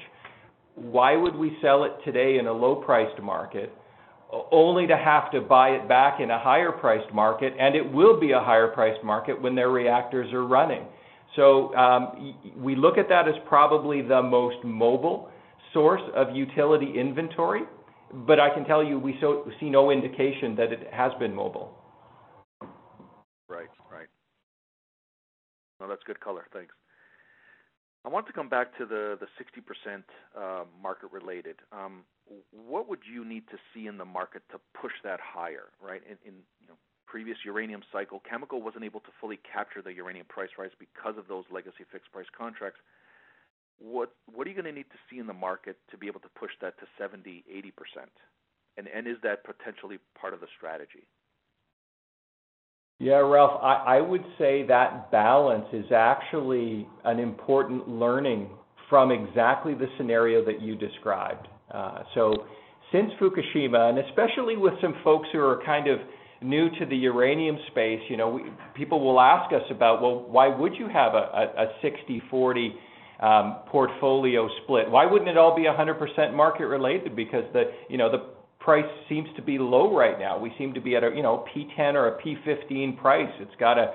Why would we sell it today in a low-priced market only to have to buy it back in a higher-priced market, and it will be a higher-priced market when their reactors are running. We look at that as probably the most mobile source of utility inventory, but I can tell you we see no indication that it has been mobile. Right. No, that's good color. Thanks. I want to come back to the 60% market-related. What would you need to see in the market to push that higher, right? In previous uranium cycle, Cameco wasn't able to fully capture the uranium price rise because of those legacy fixed price contracts. What are you going to need to see in the market to be able to push that to 70%-80%? Is that potentially part of the strategy? Yeah, Ralph, I would say that balance is actually an important learning from exactly the scenario that you described. Since Fukushima, especially with some folks who are kind of new to the uranium space, people will ask us about, well, why would you have a 60/40 portfolio split? Why wouldn't it all be 100% market-related? The price seems to be low right now. We seem to be at a P10 or a P15 price. It's got a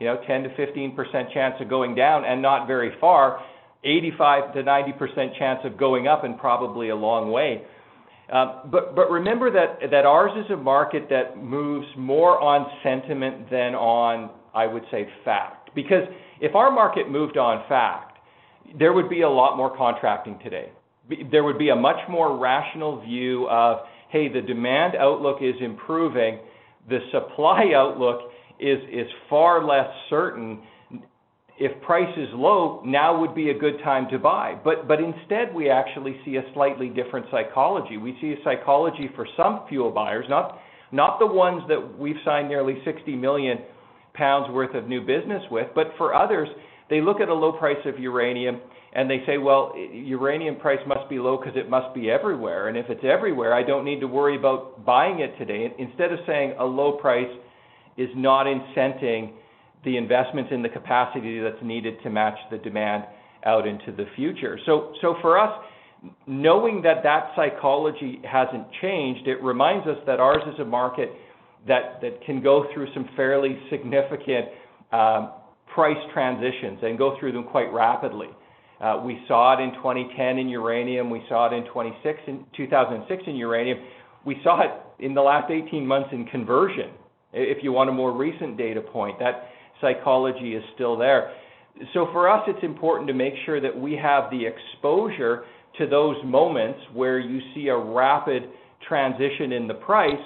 10%-15% chance of going down and not very far, 85%-90% chance of going up and probably a long way. Remember that ours is a market that moves more on sentiment than on, I would say, fact. If our market moved on fact, there would be a lot more contracting today. There would be a much more rational view of, hey, the demand outlook is improving. The supply outlook is far less certain. If price is low, now would be a good time to buy. Instead, we actually see a slightly different psychology. We see a psychology for some fuel buyers, not the ones that we've signed nearly 60 million pounds worth of new business with, but for others, they look at a low price of uranium and they say, "Well, uranium price must be low because it must be everywhere. If it's everywhere, I don't need to worry about buying it today." Instead of saying a low price is not incenting the investment in the capacity that's needed to match the demand out into the future. For us, knowing that that psychology hasn't changed, it reminds us that ours is a market that can go through some fairly significant price transitions and go through them quite rapidly. We saw it in 2010 in uranium. We saw it in 2006 in uranium. We saw it in the last 18 months in conversion. If you want a more recent data point, that psychology is still there. For us, it's important to make sure that we have the exposure to those moments where you see a rapid transition in the price.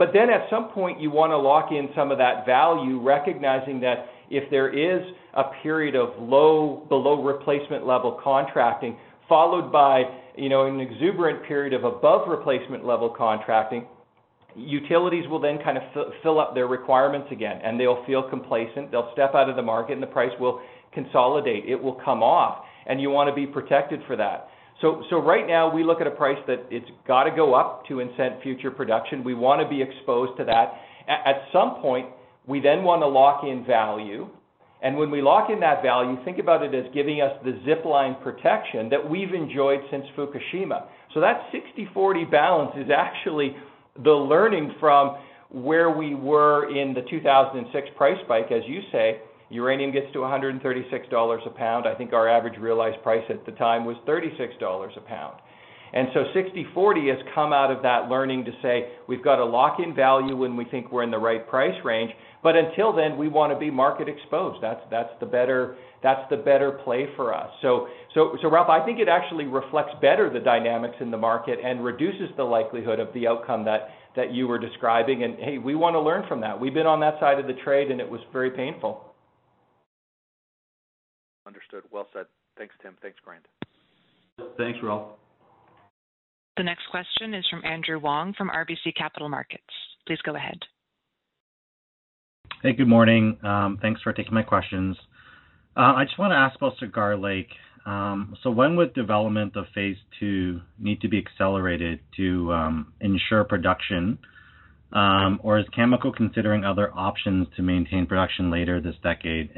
At some point, you want to lock in some of that value, recognizing that if there is a period of below replacement level contracting followed by an exuberant period of above replacement level contracting, utilities will then kind of fill up their requirements again, and they'll feel complacent. They'll step out of the market and the price will consolidate. It will come off, and you want to be protected for that. Right now, we look at a price that it's got to go up to incent future production. We want to be exposed to that. At some point, we then want to lock in value. When we lock in that value, think about it as giving us the zip line protection that we've enjoyed since Fukushima. That 60/40 balance is actually the learning from where we were in the 2006 price spike. As you say, uranium gets to 136 dollars a pound. I think our average realized price at the time was 36 dollars a pound. 60/40 has come out of that learning to say we've got to lock in value when we think we're in the right price range. Until then, we want to be market exposed. That's the better play for us. Ralph, I think it actually reflects better the dynamics in the market and reduces the likelihood of the outcome that you were describing. Hey, we want to learn from that. We've been on that side of the trade. It was very painful. Understood. Well said. Thanks, Tim. Thanks, Grant. Thanks, Ralph. The next question is from Andrew Wong from RBC Capital Markets. Please go ahead. Hey, good morning. Thanks for taking my questions. I just want to ask about Cigar Lake. When would development of phase 2 need to be accelerated to ensure production? Is Cameco considering other options to maintain production later this decade?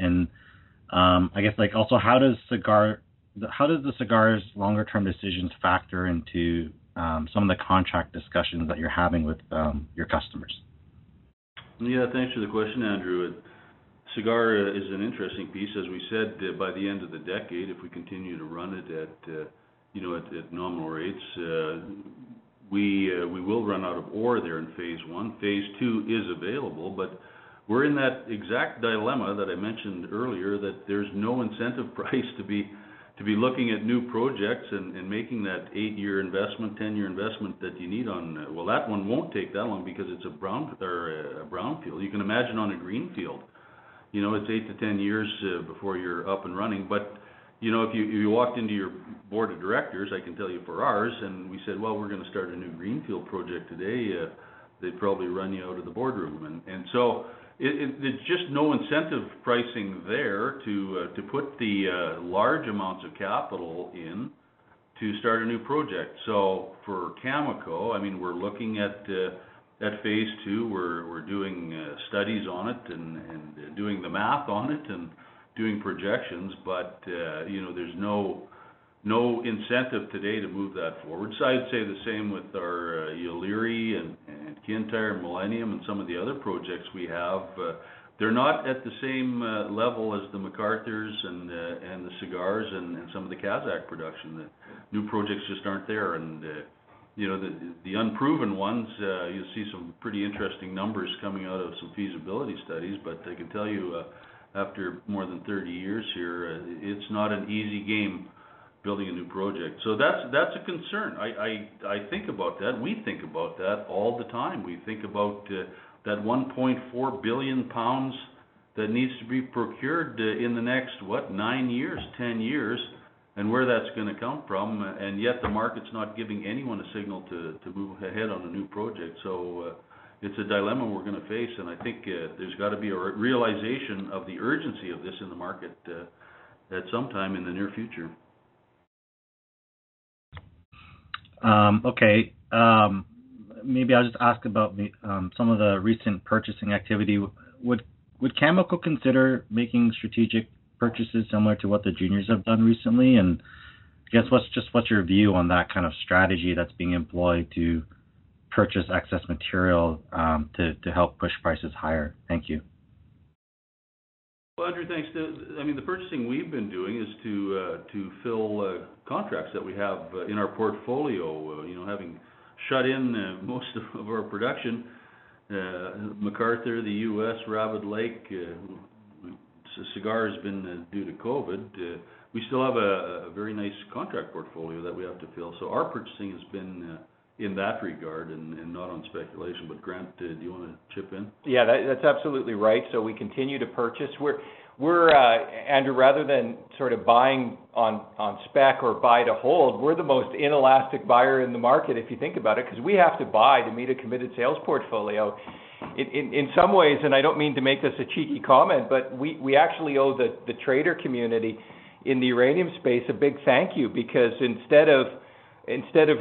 I guess also, how does the Cigar's longer-term decisions factor into some of the contract discussions that you're having with your customers? Thanks for the question, Andrew. Cigar Lake is an interesting piece. As we said, by the end of the decade, if we continue to run it at nominal rates we will run out of ore there in phase 1. Phase 2 is available, but we're in that exact dilemma that I mentioned earlier, that there's no incentive price to be looking at new projects and making that eight-year investment, 10-year investment that you need. That one won't take that long because it's a brownfield. You can imagine on a greenfield. It's 8 to 10 years before you're up and running. If you walked into your board of directors, I can tell you for ours, and we said, "We're going to start a new greenfield project today," they'd probably run you out of the boardroom. There's just no incentive pricing there to put the large amounts of capital in to start a new project. For Cameco, we're looking at phase 2. We're doing studies on it and doing the math on it and doing projections. There's no incentive today to move that forward. I'd say the same with our Yeelirrie and Kintyre, Millennium, and some of the other projects we have. They're not at the same level as the McArthur and Cigar and some of the Kazakh production. The new projects just aren't there, and the unproven ones, you'll see some pretty interesting numbers coming out of some feasibility studies. I can tell you, after more than 30 years here, it's not an easy game building a new project. That's a concern. I think about that. We think about that all the time. We think about that 1.4 billion pounds that needs to be procured in the next, what, nine years, 10 years, and where that's going to come from. Yet the market's not giving anyone a signal to move ahead on a new project. It's a dilemma we're going to face, and I think there's got to be a realization of the urgency of this in the market at some time in the near future. Okay. Maybe I'll just ask about some of the recent purchasing activity. Would Cameco consider making strategic purchases similar to what the juniors have done recently? I guess just what's your view on that kind of strategy that's being employed to purchase excess material to help push prices higher? Thank you. Well, Andrew, thanks. The purchasing we've been doing is to fill contracts that we have in our portfolio. Having shut in most of our production, McArthur, the U.S., Rabbit Lake, Cigar has been due to COVID. We still have a very nice contract portfolio that we have to fill. Our purchasing has been in that regard and not on speculation. Grant, do you want to chip in? Yeah, that's absolutely right. We continue to purchase. Andrew, rather than sort of buying on spec or buy to hold, we're the most inelastic buyer in the market, if you think about it, because we have to buy to meet a committed sales portfolio. In some ways, and I don't mean to make this a cheeky comment, but we actually owe the trader community in the uranium space a big thank you because instead of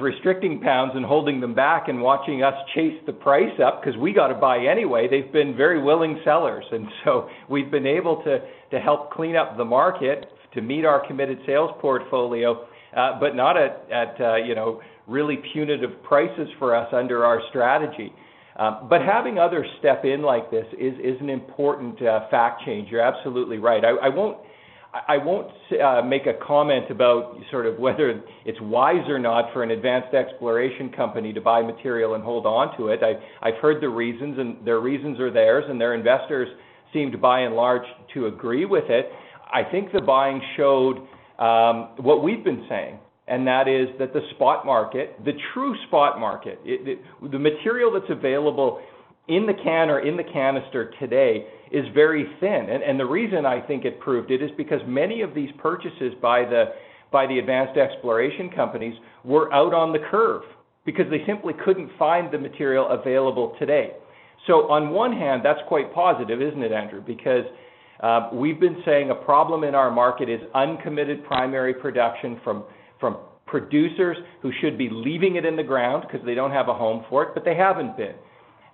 restricting pounds and holding them back and watching us chase the price up because we got to buy anyway, they've been very willing sellers. We've been able to help clean up the market to meet our committed sales portfolio, but not at really punitive prices for us under our strategy. Having others step in like this is an important fact change. You're absolutely right. I won't make a comment about sort of whether it's wise or not for an advanced exploration company to buy material and hold onto it. I've heard the reasons, and their reasons are theirs, and their investors seem to by and large to agree with it. I think the buying showed what we've been saying, that is that the spot market, the true spot market, the material that's available in the can or in the canister today is very thin. The reason I think it proved it is because many of these purchases by the advanced exploration companies were out on the curve because they simply couldn't find the material available today. On one hand, that's quite positive, isn't it, Andrew? We've been saying a problem in our market is uncommitted primary production from producers who should be leaving it in the ground because they don't have a home for it, but they haven't been.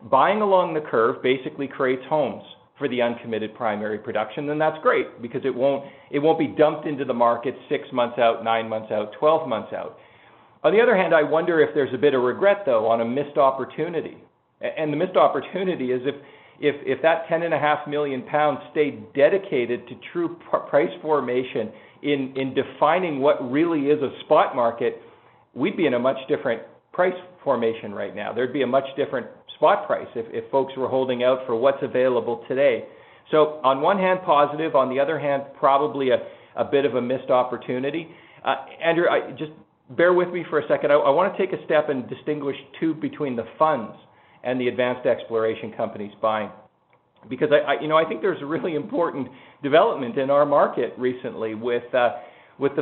Buying along the curve basically creates homes for the uncommitted primary production, that's great because it won't be dumped into the market six months out, nine months out, 12 months out. On the other hand, I wonder if there's a bit of regret, though, on a missed opportunity. The missed opportunity is if that 10.5 million pounds stayed dedicated to true price formation in defining what really is a spot market, we'd be in a much different price formation right now. There'd be a much different spot price if folks were holding out for what's available today. On one hand, positive, on the other hand, probably a bit of a missed opportunity. Andrew, just bear with me for a second. I want to take a step and distinguish too between the funds and the advanced exploration companies buying, because I think there's a really important development in our market recently with the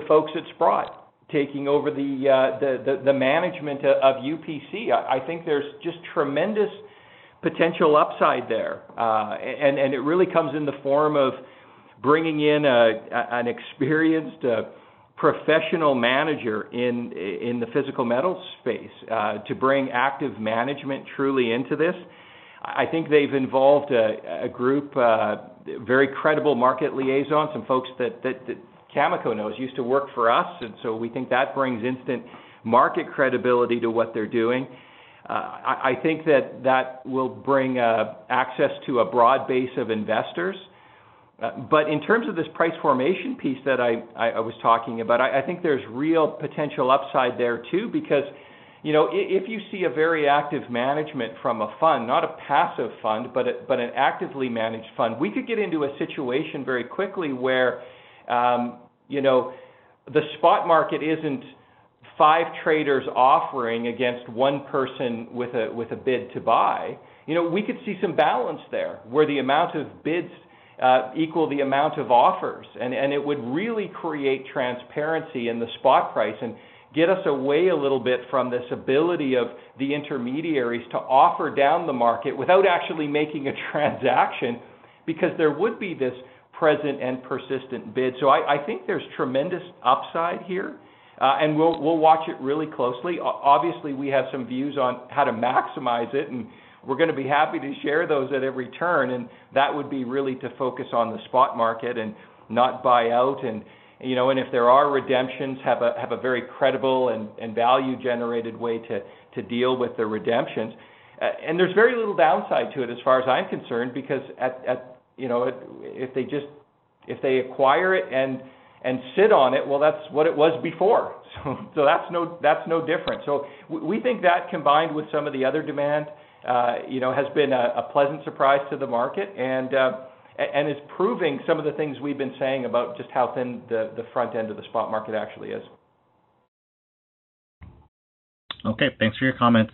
folks at Sprott taking over the management of UPC. I think there's just tremendous potential upside there. It really comes in the form of bringing in an experienced professional manager in the physical metals space to bring active management truly into this. I think they've involved a group, very credible market liaisons, some folks that Cameco knows used to work for us. We think that brings instant market credibility to what they're doing. I think that will bring access to a broad base of investors. In terms of this price formation piece that I was talking about, I think there's real potential upside there too because if you see a very active management from a fund, not a passive fund, but an actively managed fund, we could get into a situation very quickly where the spot market isn't five traders offering against one person with a bid to buy. We could see some balance there where the amount of bids equal the amount of offers, and it would really create transparency in the spot price and get us away a little bit from this ability of the intermediaries to offer down the market without actually making a transaction because there would be this present and persistent bid. I think there's tremendous upside here, and we'll watch it really closely. Obviously, we have some views on how to maximize it. We're going to be happy to share those at every turn. That would be really to focus on the spot market and not buy out. If there are redemptions, have a very credible and value-generated way to deal with the redemptions. There's very little downside to it as far as I'm concerned because if they acquire it and sit on it, well, that's what it was before. That's no different. We think that combined with some of the other demand has been a pleasant surprise to the market, and is proving some of the things we've been saying about just how thin the front end of the spot market actually is. Okay. Thanks for your comments.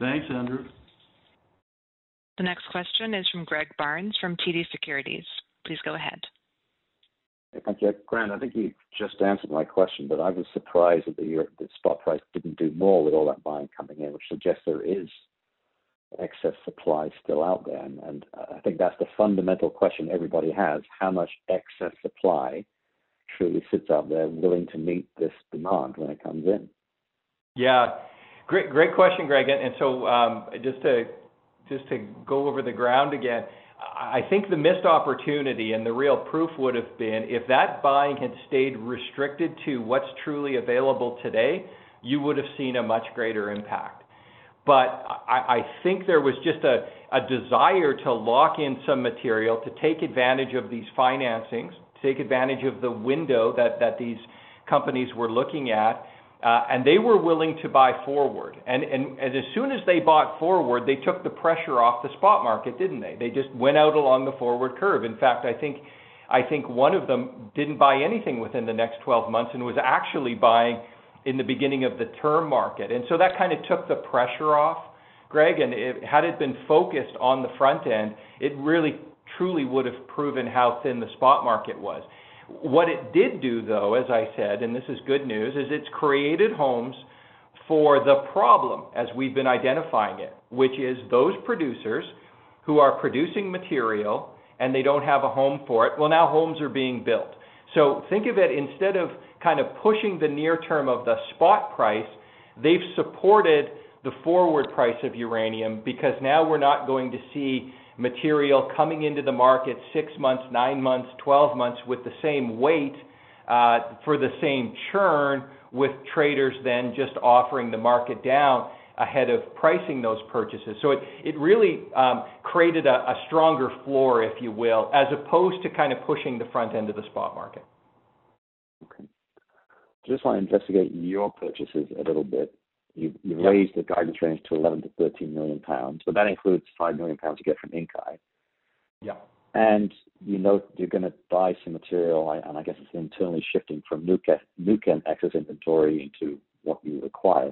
Thanks, Andrew. The next question is from Greg Barnes from TD Securities. Please go ahead. Thank you. Grant, I think you just answered my question. I was surprised that the spot price didn't do more with all that buying coming in, which suggests there is excess supply still out there. I think that's the fundamental question everybody has, how much excess supply truly sits out there willing to meet this demand when it comes in? Yeah. Great question, Greg. Just to go over the ground again, I think the missed opportunity and the real proof would've been if that buying had stayed restricted to what's truly available today, you would've seen a much greater impact. I think there was just a desire to lock in some material to take advantage of these financings, take advantage of the window that these companies were looking at. They were willing to buy forward. As soon as they bought forward, they took the pressure off the spot market, didn't they? They just went out along the forward curve. In fact, I think one of them didn't buy anything within the next 12 months and was actually buying in the beginning of the term market. That kind of took the pressure off, Greg, and had it been focused on the front end, it really truly would've proven how thin the spot market was. What it did do though, as I said, and this is good news, is it's created homes for the problem as we've been identifying it, which is those producers who are producing material and they don't have a home for it, well, now homes are being built. Think of it, instead of pushing the near term of the spot price, they've supported the forward price of uranium because now we're not going to see material coming into the market six months, nine months, 12 months with the same weight for the same churn with traders then just offering the market down ahead of pricing those purchases. It really created a stronger floor, if you will, as opposed to pushing the front end of the spot market. Okay. Want to investigate your purchases a little bit. You've raised the guidance range to 11-13 million pounds, but that includes five million pounds you get from Inkai. Yeah. You note that you're going to buy some material, and I guess it's internally shifting from NUKEM excess inventory into what you require.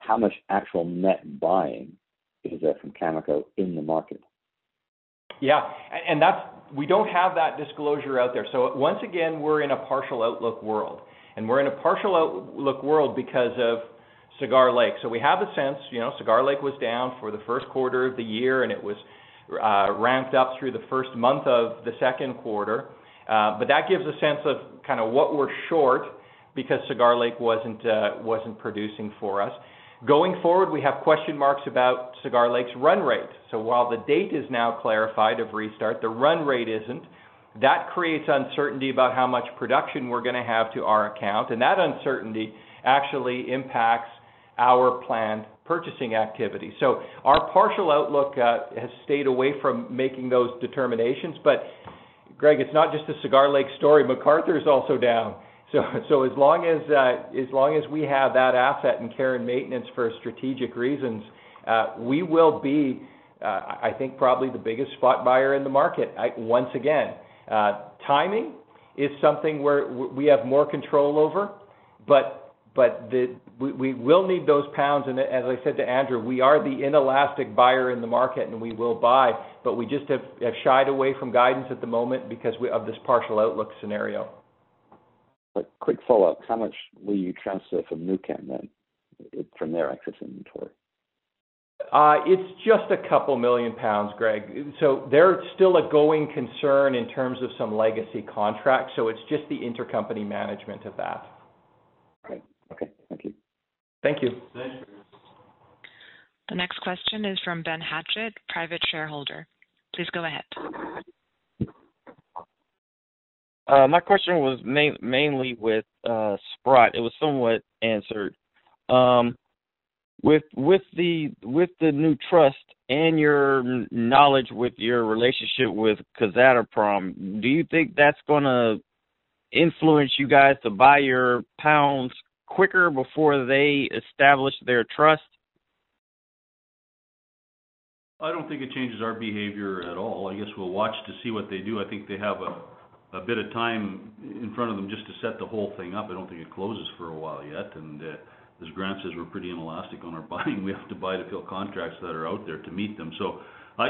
How much actual net buying is there from Cameco in the market? We don't have that disclosure out there. Once again, we're in a partial outlook world, and we're in a partial outlook world because of Cigar Lake. We have a sense, Cigar Lake was down for the first quarter of the year, and it was ramped up through the first month of the second quarter. That gives a sense of what we're short because Cigar Lake wasn't producing for us. Going forward, we have question marks about Cigar Lake's run rate. While the date is now clarified of restart, the run rate isn't. That creates uncertainty about how much production we're going to have to our account, and that uncertainty actually impacts our planned purchasing activity. Our partial outlook has stayed away from making those determinations. Greg, it's not just a Cigar Lake story. McArthur is also down. As long as we have that asset and care and maintenance for strategic reasons, we will be, I think, probably the biggest spot buyer in the market once again. Timing is something where we have more control over, but we will need those pounds. As I said to Andrew, we are the inelastic buyer in the market, and we will buy, but we just have shied away from guidance at the moment because of this partial outlook scenario. A quick follow-up. How much will you transfer from NUKEM then, from their excess inventory? It's just a couple million pounds, Greg. They're still a going concern in terms of some legacy contracts, so it's just the intercompany management of that. Great. Okay. Thank you. Thank you. Thanks, Greg. The next question is from Ben Hatchett, private shareholder. Please go ahead. My question was mainly with Sprott. It was somewhat answered. With the new trust and your knowledge with your relationship with Kazatomprom, do you think that is going to influence you guys to buy your pounds quicker before they establish their trust? I don't think it changes our behavior at all. I guess we'll watch to see what they do. I think they have a bit of time in front of them just to set the whole thing up. I don't think it closes for a while yet. As Grant says, we're pretty inelastic on our buying. We have to buy to fill contracts that are out there to meet them.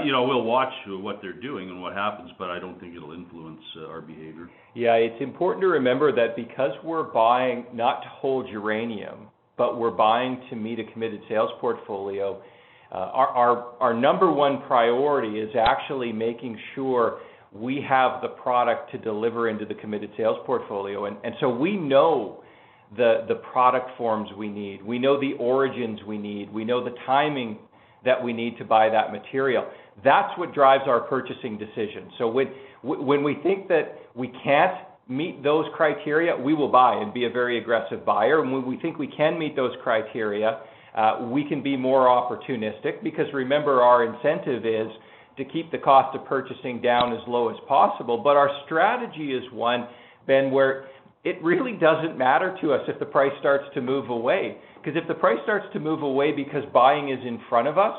We'll watch what they're doing and what happens, but I don't think it'll influence our behavior. Yeah. It's important to remember that because we're buying not to hold uranium, but we're buying to meet a committed sales portfolio, our number 1 priority is actually making sure we have the product to deliver into the committed sales portfolio. We know the product forms we need. We know the origins we need. We know the timing that we need to buy that material. That's what drives our purchasing decisions. When we think that we can't meet those criteria, we will buy and be a very aggressive buyer. When we think we can meet those criteria, we can be more opportunistic. Remember, our incentive is to keep the cost of purchasing down as low as possible. Our strategy is one, Ben, where it really doesn't matter to us if the price starts to move away, because if the price starts to move away because buying is in front of us,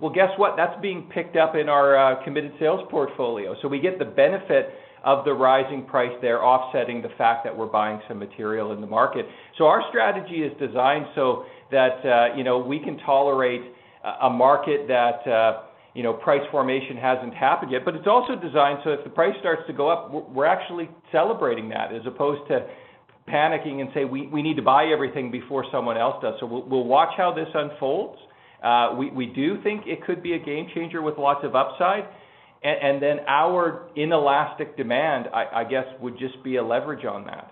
well, guess what? That's being picked up in our committed sales portfolio. We get the benefit of the rising price there offsetting the fact that we're buying some material in the market. Our strategy is designed so that we can tolerate a market that price formation hasn't happened yet, but it's also designed so if the price starts to go up, we're actually celebrating that as opposed to panicking and say, "We need to buy everything before someone else does." We'll watch how this unfolds. We do think it could be a game changer with lots of upside. Our inelastic demand, I guess, would just be a leverage on that.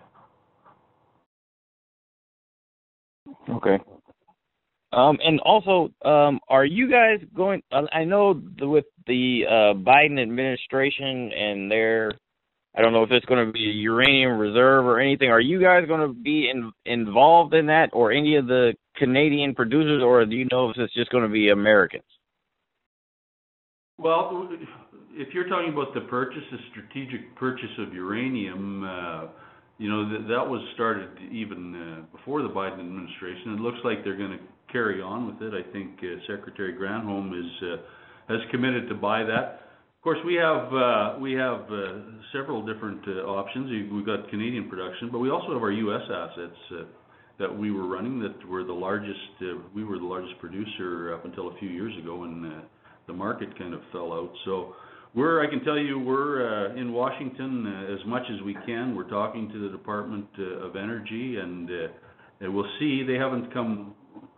Okay. Also, I know with the Biden administration and their, I don't know if it's going to be a uranium reserve or anything, are you guys going to be involved in that or any of the Canadian producers, or do you know if it's just going to be Americans? Well, if you're talking about the purchase, the strategic purchase of uranium, that was started even before the Biden administration. It looks like they're going to carry on with it. I think Secretary Granholm has committed to buy that. Of course, we have several different options. We've got Canadian production. We also have our U.S. assets that we were running, that we were the largest producer up until a few years ago when the market kind of fell out. I can tell you, we're in Washington as much as we can. We're talking to the Department of Energy. We'll see. They haven't come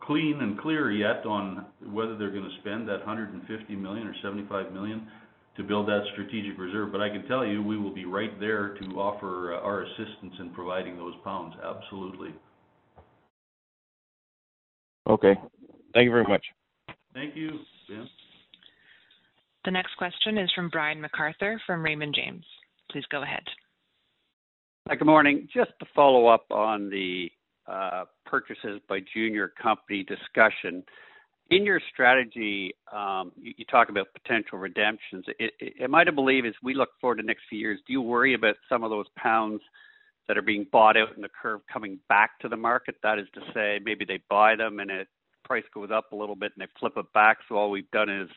clean and clear yet on whether they're going to spend that 150 million or 75 million to build that strategic reserve. I can tell you, we will be right there to offer our assistance in providing those pounds. Absolutely. Okay. Thank you very much. Thank you, Ben Hatchett. The next question is from Brian MacArthur from Raymond James. Please go ahead. Hi. Good morning. Just to follow up on the purchases by junior company discussion. In your strategy, you talk about potential redemptions. Am I to believe as we look forward the next few years, do you worry about some of those pounds that are being bought out in the curve coming back to the market? That is to say, maybe they buy them and the price goes up a little bit and they flip it back, so all we've done is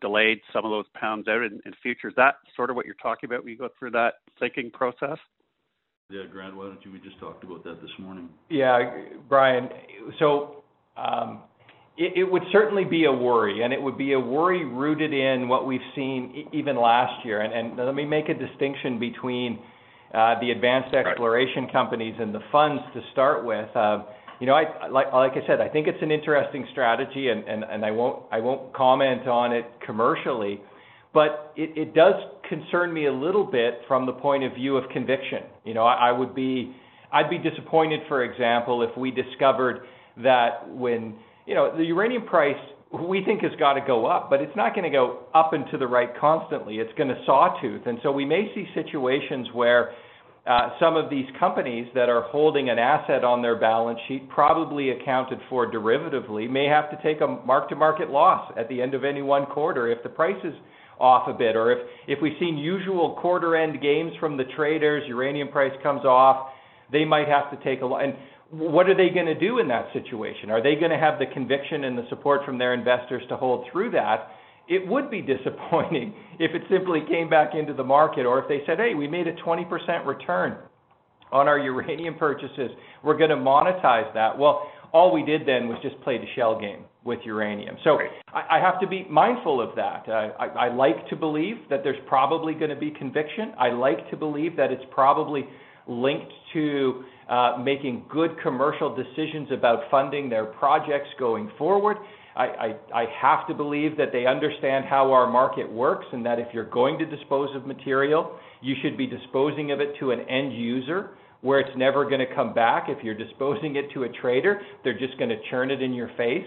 delayed some of those pounds out in the future. Is that sort of what you're talking about when you go through that thinking process? Yeah. Grant, why don't you? We just talked about that this morning. Yeah. Brian, it would certainly be a worry, it would be a worry rooted in what we've seen even last year. Let me make a distinction between the advanced exploration companies and the funds to start with. Like I said, I think it's an interesting strategy, and I won't comment on it commercially, but it does concern me a little bit from the point of view of conviction. I'd be disappointed, for example, if we discovered that. The uranium price, we think, has got to go up, but it's not going to go up and to the right constantly. It's going to sawtooth. We may see situations where some of these companies that are holding an asset on their balance sheet, probably accounted for derivatively, may have to take a mark-to-market loss at the end of any one quarter if the price is off a bit, or if we've seen usual quarter-end gains from the traders, uranium price comes off, they might have to take. What are they going to do in that situation? Are they going to have the conviction and the support from their investors to hold through that? It would be disappointing if it simply came back into the market or if they said, "Hey, we made a 20% return on our uranium purchases. We're going to monetize that." All we did then was just play the shell game with uranium. I have to be mindful of that. I like to believe that there's probably going to be conviction. I like to believe that it's probably linked to making good commercial decisions about funding their projects going forward. I have to believe that they understand how our market works, and that if you're going to dispose of material, you should be disposing of it to an end user where it's never going to come back. If you're disposing it to a trader, they're just going to churn it in your face.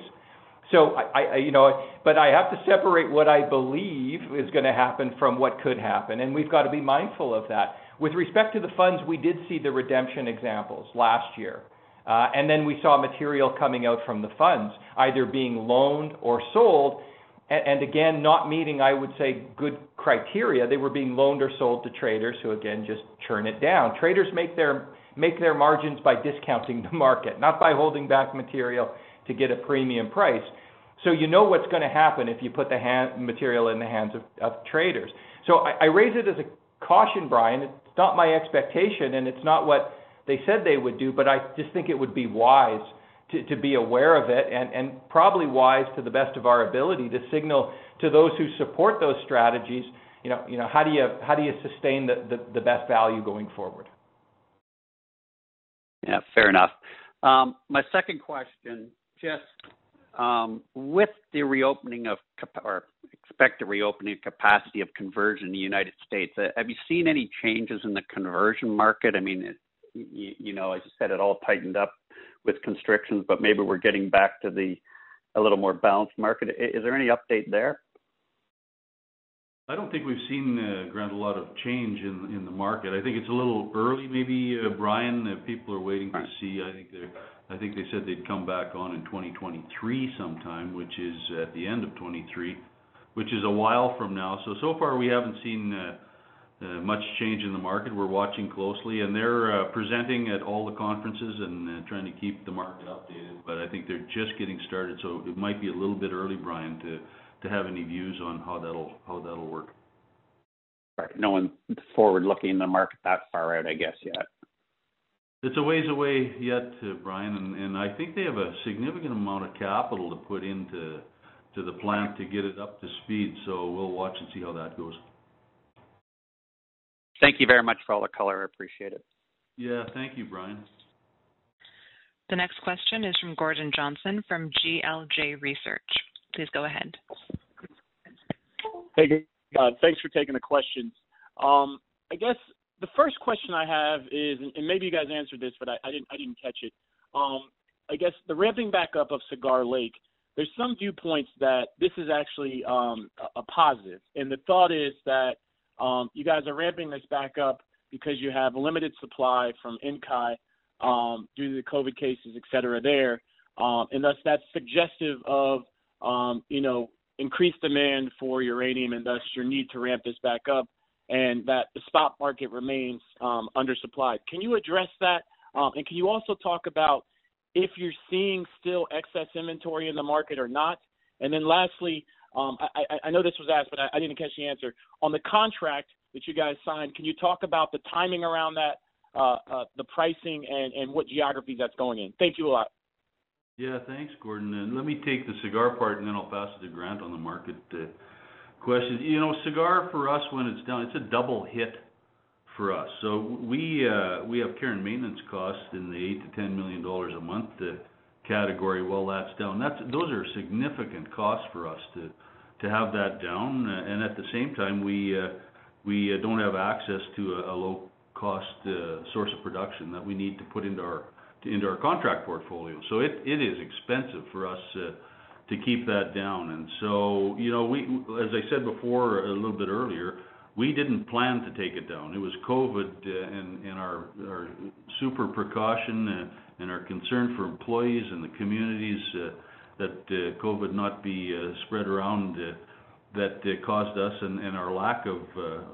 I have to separate what I believe is going to happen from what could happen, and we've got to be mindful of that. With respect to the funds, we did see the redemption examples last year. We saw material coming out from the funds, either being loaned or sold, and again, not meeting, I would say, good criteria. They were being loaned or sold to traders who, again, just churn it down. Traders make their margins by discounting the market, not by holding back material to get a premium price. You know what's going to happen if you put the material in the hands of traders. I raise it as a caution, Brian. It's not my expectation, and it's not what they said they would do, but I just think it would be wise to be aware of it and probably wise to the best of our ability to signal to those who support those strategies, how do you sustain the best value going forward? Yeah. Fair enough. My second question, just with the reopening of, or expected reopening of capacity of conversion in the U.S., have you seen any changes in the conversion market? I mean as you said, it all tightened up with constrictions, but maybe we're getting back to a little more balanced market. Is there any update there. I don't think we've seen, Grant, a lot of change in the market. I think it's a little early maybe, Brian, that people are waiting to see. I think they said they'd come back on in 2023 sometime, which is at the end of 2023, which is a while from now. So far we haven't seen much change in the market. We're watching closely, and they're presenting at all the conferences and trying to keep the market updated, but I think they're just getting started, so it might be a little bit early, Brian, to have any views on how that'll work. Right. No one's forward-looking in the market that far out, I guess yet. It's a ways away yet, Brian, and I think they have a significant amount of capital to put into the plant to get it up to speed. We'll watch and see how that goes. Thank you very much for all the color. I appreciate it. Yeah. Thank you, Brian. The next question is from Gordon Johnson from GLJ Research. Please go ahead. Hey. Thanks for taking the questions. I guess the first question I have is, and maybe you guys answered this, but I didn't catch it. I guess the ramping back up of Cigar Lake, there's some viewpoints that this is actually a positive, and the thought is that you guys are ramping this back up because you have limited supply from Inkai due to the COVID cases, et cetera there, and thus that's suggestive of increased demand for uranium and thus your need to ramp this back up, and that the spot market remains undersupplied. Can you address that? Can you also talk about if you're seeing still excess inventory in the market or not? Lastly, I know this was asked, but I didn't catch the answer. On the contract that you guys signed, can you talk about the timing around that, the pricing, and what geography that's going in? Thank you a lot. Thanks, Gordon, and let me take the Cigar part, and then I'll pass it to Grant on the market question. Cigar for us when it's down, it's a double hit for us. We have care and maintenance costs in the 8 million-10 million dollars a month category while that's down. Those are significant costs for us to have that down, and at the same time, we don't have access to a low-cost source of production that we need to put into our contract portfolio. It is expensive for us to keep that down, and as I said before a little bit earlier, we didn't plan to take it down. It was COVID and our super precaution and our concern for employees and the communities that COVID not be spread around that caused us, and our lack of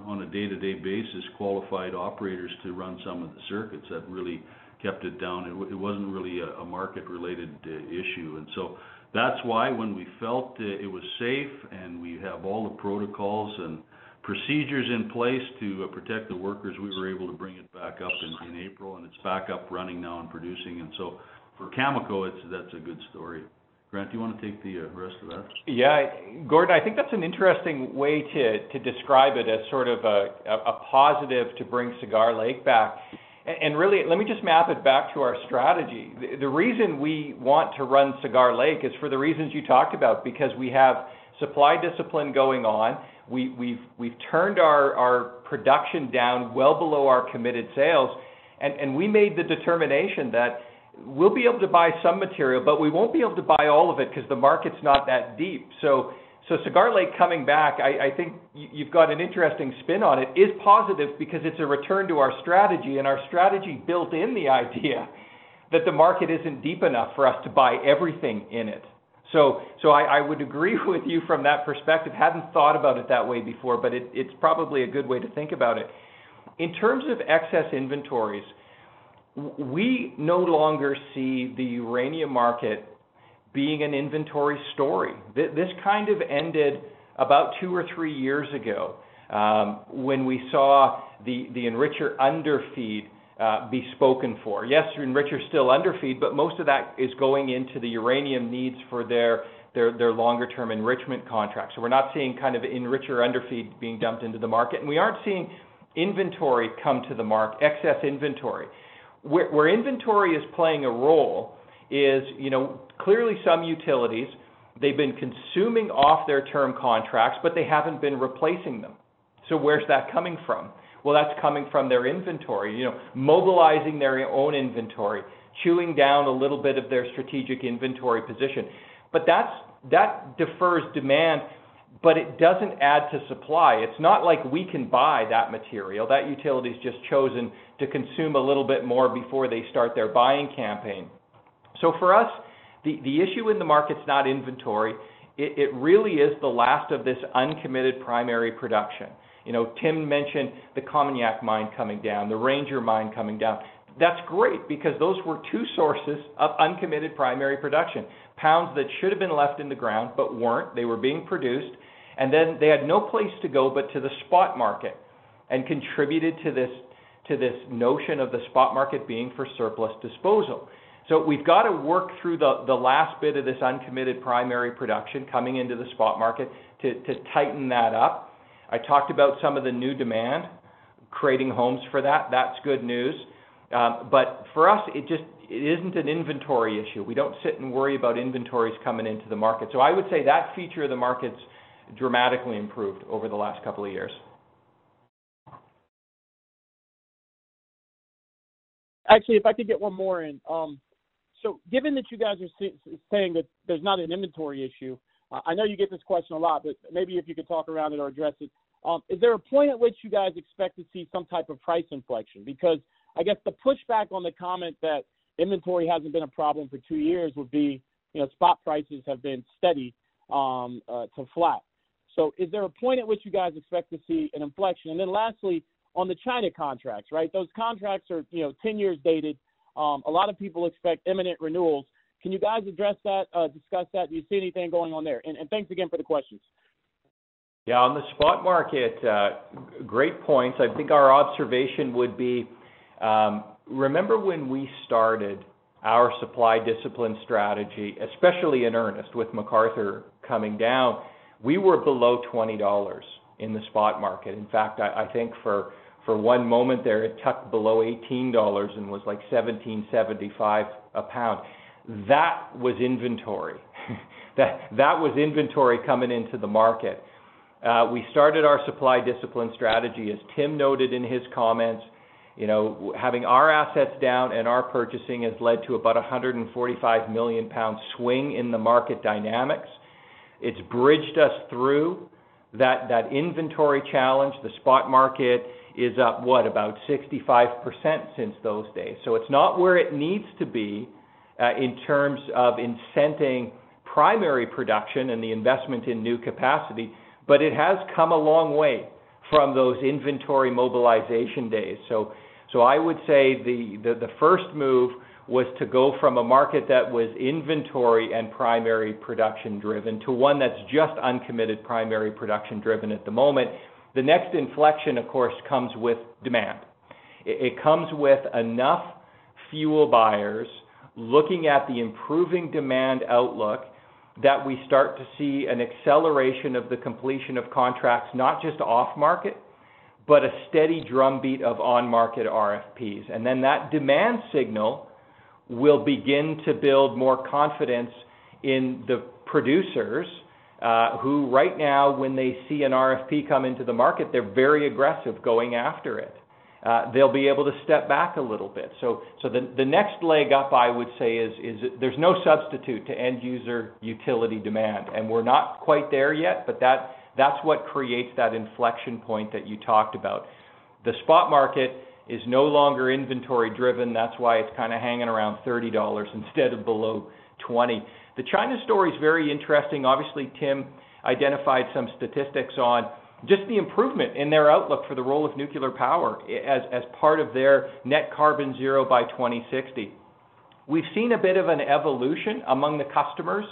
on a day-to-day basis qualified operators to run some of the circuits that really kept it down. It wasn't really a market-related issue. That's why when we felt it was safe and we have all the protocols and procedures in place to protect the workers, we were able to bring it back up in April, and it's back up running now and producing, and so for Cameco, that's a good story. Grant, do you want to take the rest of that? Yeah. Gordon, I think that's an interesting way to describe it as sort of a positive to bring Cigar Lake back, and really let me just map it back to our strategy. The reason we want to run Cigar Lake is for the reasons you talked about, because we have supply discipline going on. We've turned our production down well below our committed sales, and we made the determination that we'll be able to buy some material, but we won't be able to buy all of it because the market's not that deep. Cigar Lake coming back, I think you've got an interesting spin on it, is positive because it's a return to our strategy, and our strategy built in the idea that the market isn't deep enough for us to buy everything in it. I would agree with you from that perspective. Hadn't thought about it that way before. It's probably a good way to think about it. In terms of excess inventories, we no longer see the uranium market being an inventory story. This kind of ended about two or three years ago when we saw the enricher underfeed be spoken for. Yes, enricher is still underfeed, but most of that is going into the uranium needs for their longer-term enrichment contracts. We're not seeing an enricher underfeed being dumped into the market, and we aren't seeing inventory come to the market, excess inventory. Where inventory is playing a role is clearly some utilities, they've been consuming off their term contracts, but they haven't been replacing them. Where's that coming from? Well, that's coming from their inventory. Mobilizing their own inventory, chewing down a little bit of their strategic inventory position. That defers demand, but it doesn't add to supply. It's not like we can buy that material. That utility's just chosen to consume a little bit more before they start their buying campaign. For us, the issue in the market's not inventory. It really is the last of this uncommitted primary production. Tim mentioned the COMINAK mine coming down, the Ranger mine coming down. That's great because those were two sources of uncommitted primary production. Pounds that should have been left in the ground but weren't, they were being produced, and then they had no place to go but to the spot market and contributed to this notion of the spot market being for surplus disposal. We've got to work through the last bit of this uncommitted primary production coming into the spot market to tighten that up. I talked about some of the new demand, creating homes for that. That's good news. For us, it isn't an inventory issue. We don't sit and worry about inventories coming into the market. I would say that feature of the market's dramatically improved over the last couple of years. Actually, if I could get one more in. Given that you guys are saying that there's not an inventory issue, I know you get this question a lot, but maybe if you could talk around it or address it. Is there a point at which you guys expect to see some type of price inflection? Because I guess the pushback on the comment that inventory hasn't been a problem for two years would be spot prices have been steady to flat. Is there a point at which you guys expect to see an inflection? Lastly, on the China contracts, right? Those contracts are 10 years dated. A lot of people expect imminent renewals. Can you guys address that, discuss that? Do you see anything going on there? Thanks again for the questions. Yeah, on the spot market, great points. I think our observation would be, remember when we started our supply discipline strategy, especially in earnest with McArthur coming down, we were below 20 dollars in the spot market. In fact, I think for one moment there, it tucked below 18 dollars and was like 17.75 a pound. That was inventory. That was inventory coming into the market. We started our supply discipline strategy, as Tim noted in his comments. Having our assets down and our purchasing has led to about 145 million pound swing in the market dynamics. It's bridged us through that inventory challenge. The spot market is up, what, about 65% since those days. It's not where it needs to be in terms of incenting primary production and the investment in new capacity, but it has come a long way from those inventory mobilization days. I would say the first move was to go from a market that was inventory and primary production-driven to one that's just uncommitted primary production-driven at the moment. The next inflection, of course, comes with demand. It comes with enough fuel buyers looking at the improving demand outlook that we start to see an acceleration of the completion of contracts, not just off-market, but a steady drumbeat of on-market RFPs. That demand signal will begin to build more confidence in the producers, who right now, when they see an RFP come into the market, they're very aggressive going after it. They'll be able to step back a little bit. The next leg up, I would say, is there's no substitute to end user utility demand, and we're not quite there yet, but that's what creates that inflection point that you talked about. The spot market is no longer inventory-driven. That's why it's kind of hanging around 30 dollars instead of below 20. The China story's very interesting. Obviously, Tim identified some statistics on just the improvement in their outlook for the role of nuclear power as part of their net carbon zero by 2060. We've seen a bit of an evolution among the customers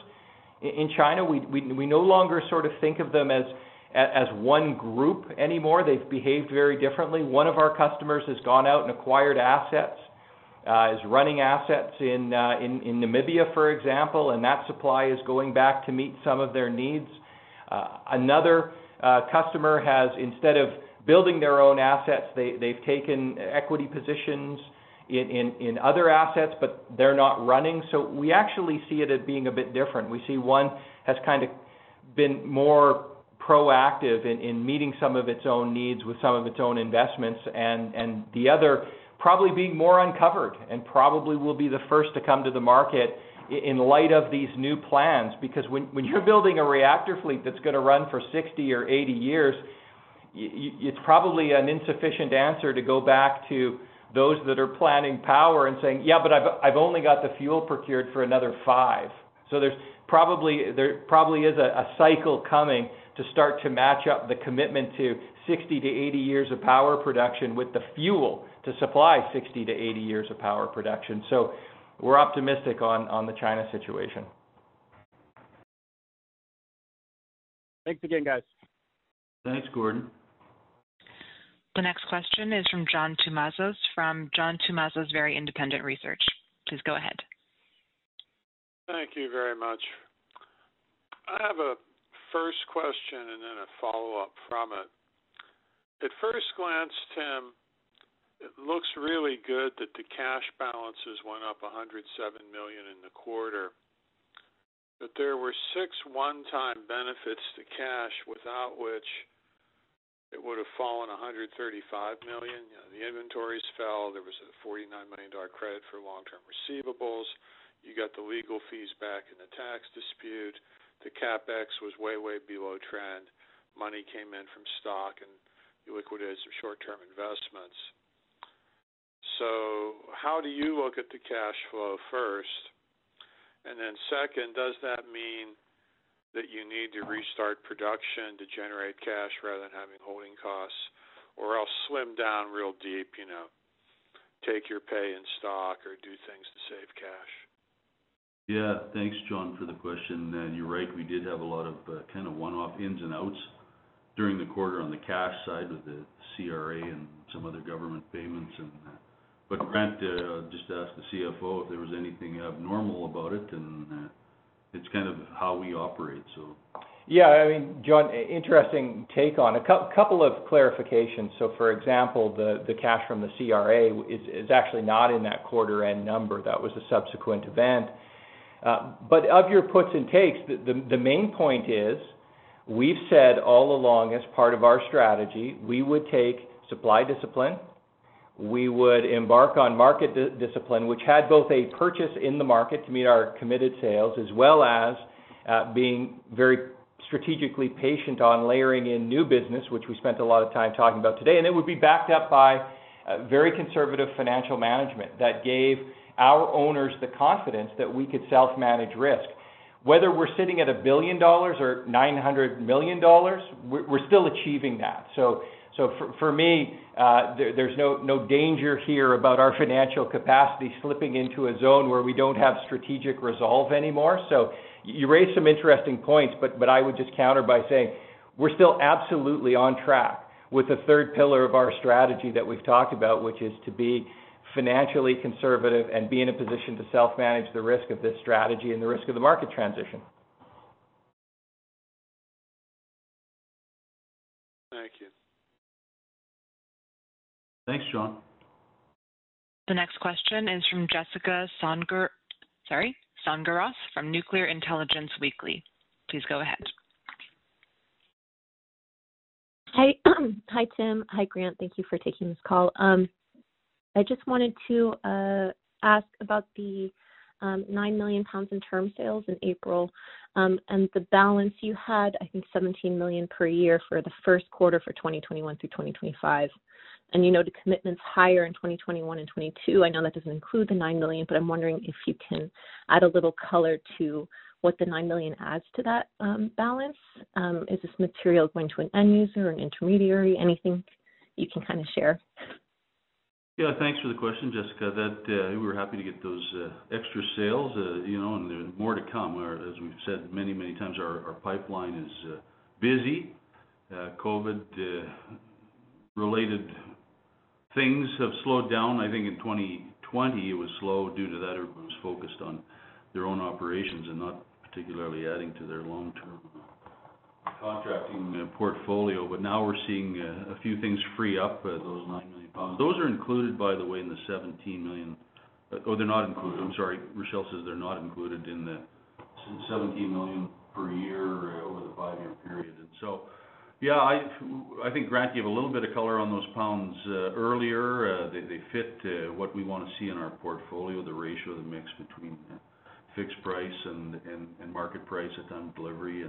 in China. We no longer sort of think of them as one group anymore. They've behaved very differently. One of our customers has gone out and acquired assets, is running assets in Namibia, for example, and that supply is going back to meet some of their needs. Another customer has, instead of building their own assets, they've taken equity positions in other assets, but they're not running. We actually see it as being a bit different. We see one has kind of been more proactive in meeting some of its own needs with some of its own investments. The other probably being more uncovered and probably will be the first to come to the market in light of these new plans. When you're building a reactor fleet that's going to run for 60 or 80 years, it's probably an insufficient answer to go back to those that are planning power and saying, "Yeah, but I've only got the fuel procured for another five." There probably is a cycle coming to start to match up the commitment to 60-80 years of power production with the fuel to supply 60-80 years of power production. We're optimistic on the China situation. Thanks again, guys. Thanks, Gordon. The next question is from John Toumazos from John Toumazos Very Independent Research. Please go ahead. Thank you very much. I have a first question and then a follow-up from it. At first glance, Tim, it looks really good that the cash balances went up 107 million in the quarter. There were six one-time benefits to cash, without which it would have fallen 135 million. The inventories fell. There was a 49 million dollar credit for long-term receivables. You got the legal fees back in the tax dispute. The CapEx was way below trend. Money came in from stock. You liquidated some short-term investments. How do you look at the cash flow, first? Then second, does that mean that you need to restart production to generate cash rather than having holding costs or else slim down real deep, take your pay in stock, or do things to save cash? Yeah. Thanks, John, for the question. You're right, we did have a lot of kind of one-off ins and outs during the quarter on the cash side with the CRA and some other government payments. Grant just asked the CFO if there was anything abnormal about it, and it's kind of how we operate, so. I mean, John, interesting take on it. Couple of clarifications. For example, the cash from the CRA is actually not in that quarter end number. That was a subsequent event. Of your puts and takes, the main point is we've said all along as part of our strategy, we would take supply discipline. We would embark on market discipline, which had both a purchase in the market to meet our committed sales, as well as being very strategically patient on layering in new business, which we spent a lot of time talking about today. It would be backed up by very conservative financial management that gave our owners the confidence that we could self-manage risk. Whether we're sitting at 1 billion dollars or 900 million dollars, we're still achieving that. For me, there's no danger here about our financial capacity slipping into a zone where we don't have strategic resolve anymore. You raised some interesting points, but I would just counter by saying we're still absolutely on track with the third pillar of our strategy that we've talked about, which is to be financially conservative and be in a position to self-manage the risk of this strategy and the risk of the market transition. Thank you. Thanks, John. The next question is from Jessica Songerath from Nuclear Intelligence Weekly. Please go ahead. Hi, Tim. Hi, Grant. Thank you for taking this call. I just wanted to ask about the CAD 9 million in term sales in April, and the balance you had, I think 17 million per year for the first quarter for 2021 through 2025. You know the commitment's higher in 2021 and 2022. I know that doesn't include the 9 million, but I'm wondering if you can add a little color to what the 9 million adds to that balance. Is this material going to an end user or an intermediary? Anything you can share? Yeah. Thanks for the question, Jessica. We were happy to get those extra sales. There are more to come. As we've said many times, our pipeline is busy. COVID-related things have slowed down. I think in 2020 it was slow due to that everyone was focused on their own operations and not particularly adding to their long-term contracting portfolio. Now we're seeing a few things free up those CAD 9 million. Those are included, by the way, in the 17 million. Oh, they're not included. I'm sorry. Rachelle says they're not included in the 17 million per year over the five-year period. Yeah, I think Grant gave a little bit of color on those pounds earlier. They fit what we want to see in our portfolio, the ratio, the mix between fixed price and market price at time of delivery.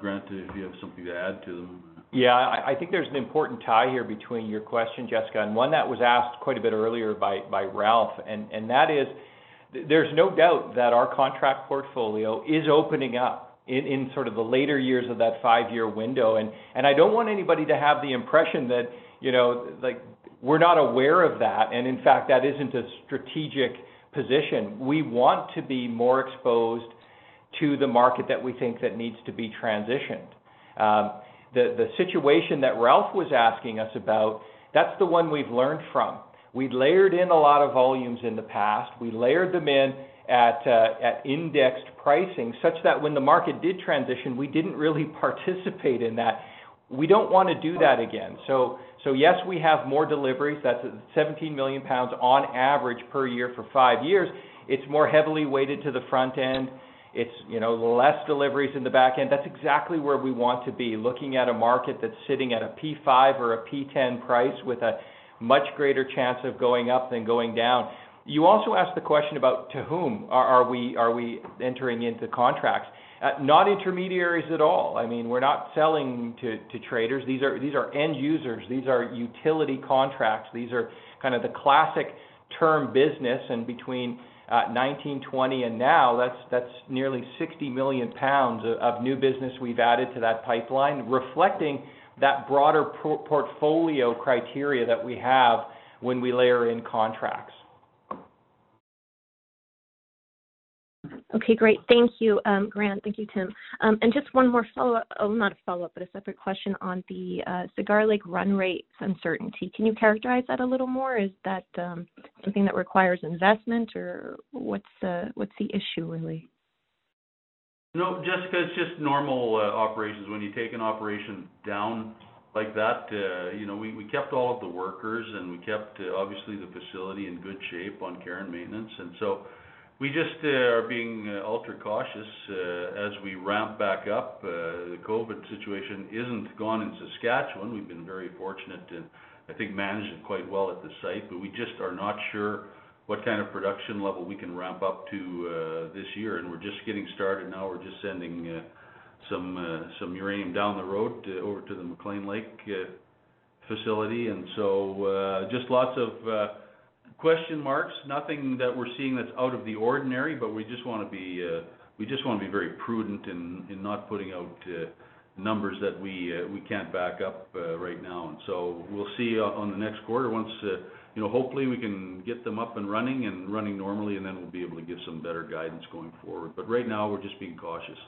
Grant, if you have something to add to them. I think there's an important tie here between your question, Jessica, and one that was asked quite a bit earlier by Ralph, that is there's no doubt that our contract portfolio is opening up in sort of the later years of that five-year window. I don't want anybody to have the impression that we're not aware of that, in fact, that isn't a strategic position. We want to be more exposed to the market that we think that needs to be transitioned. The situation that Ralph was asking us about, that's the one we've learned from. We'd layered in a lot of volumes in the past. We layered them in at indexed pricing such that when the market did transition, we didn't really participate in that. We don't want to do that again. Yes, we have more deliveries. That's 17 million pounds on average per year for five years. It's more heavily weighted to the front end. It's less deliveries in the back end. That's exactly where we want to be, looking at a market that's sitting at a P5 or a P10 price with a much greater chance of going up than going down. You also asked the question about to whom are we entering into contracts? Not intermediaries at all. We're not selling to traders. These are end users. These are utility contracts. These are kind of the classic term business. Between 2019, 2020 and now, that's nearly 60 million pounds of new business we've added to that pipeline, reflecting that broader portfolio criteria that we have when we layer in contracts. Okay, great. Thank you, Grant. Thank you, Tim. Just one more follow-up, not a follow-up, but a separate question on the Cigar Lake run rate uncertainty. Can you characterize that a little more? Is that something that requires investment or what's the issue, really? No, Jessica, it's just normal operations. When you take an operation down like that, we kept all of the workers and we kept, obviously, the facility in good shape on care and maintenance. We just are being ultra cautious as we ramp back up. The COVID situation isn't gone in Saskatchewan. We've been very fortunate and I think managed it quite well at the site, but we just are not sure what kind of production level we can ramp up to this year, and we're just getting started now. We're just sending some uranium down the road over to the McClean Lake facility. Just lots of question marks. Nothing that we're seeing that's out of the ordinary, but we just want to be very prudent in not putting out numbers that we can't back up right now. We'll see on the next quarter once hopefully we can get them up and running and running normally, and then we'll be able to give some better guidance going forward. Right now, we're just being cautious.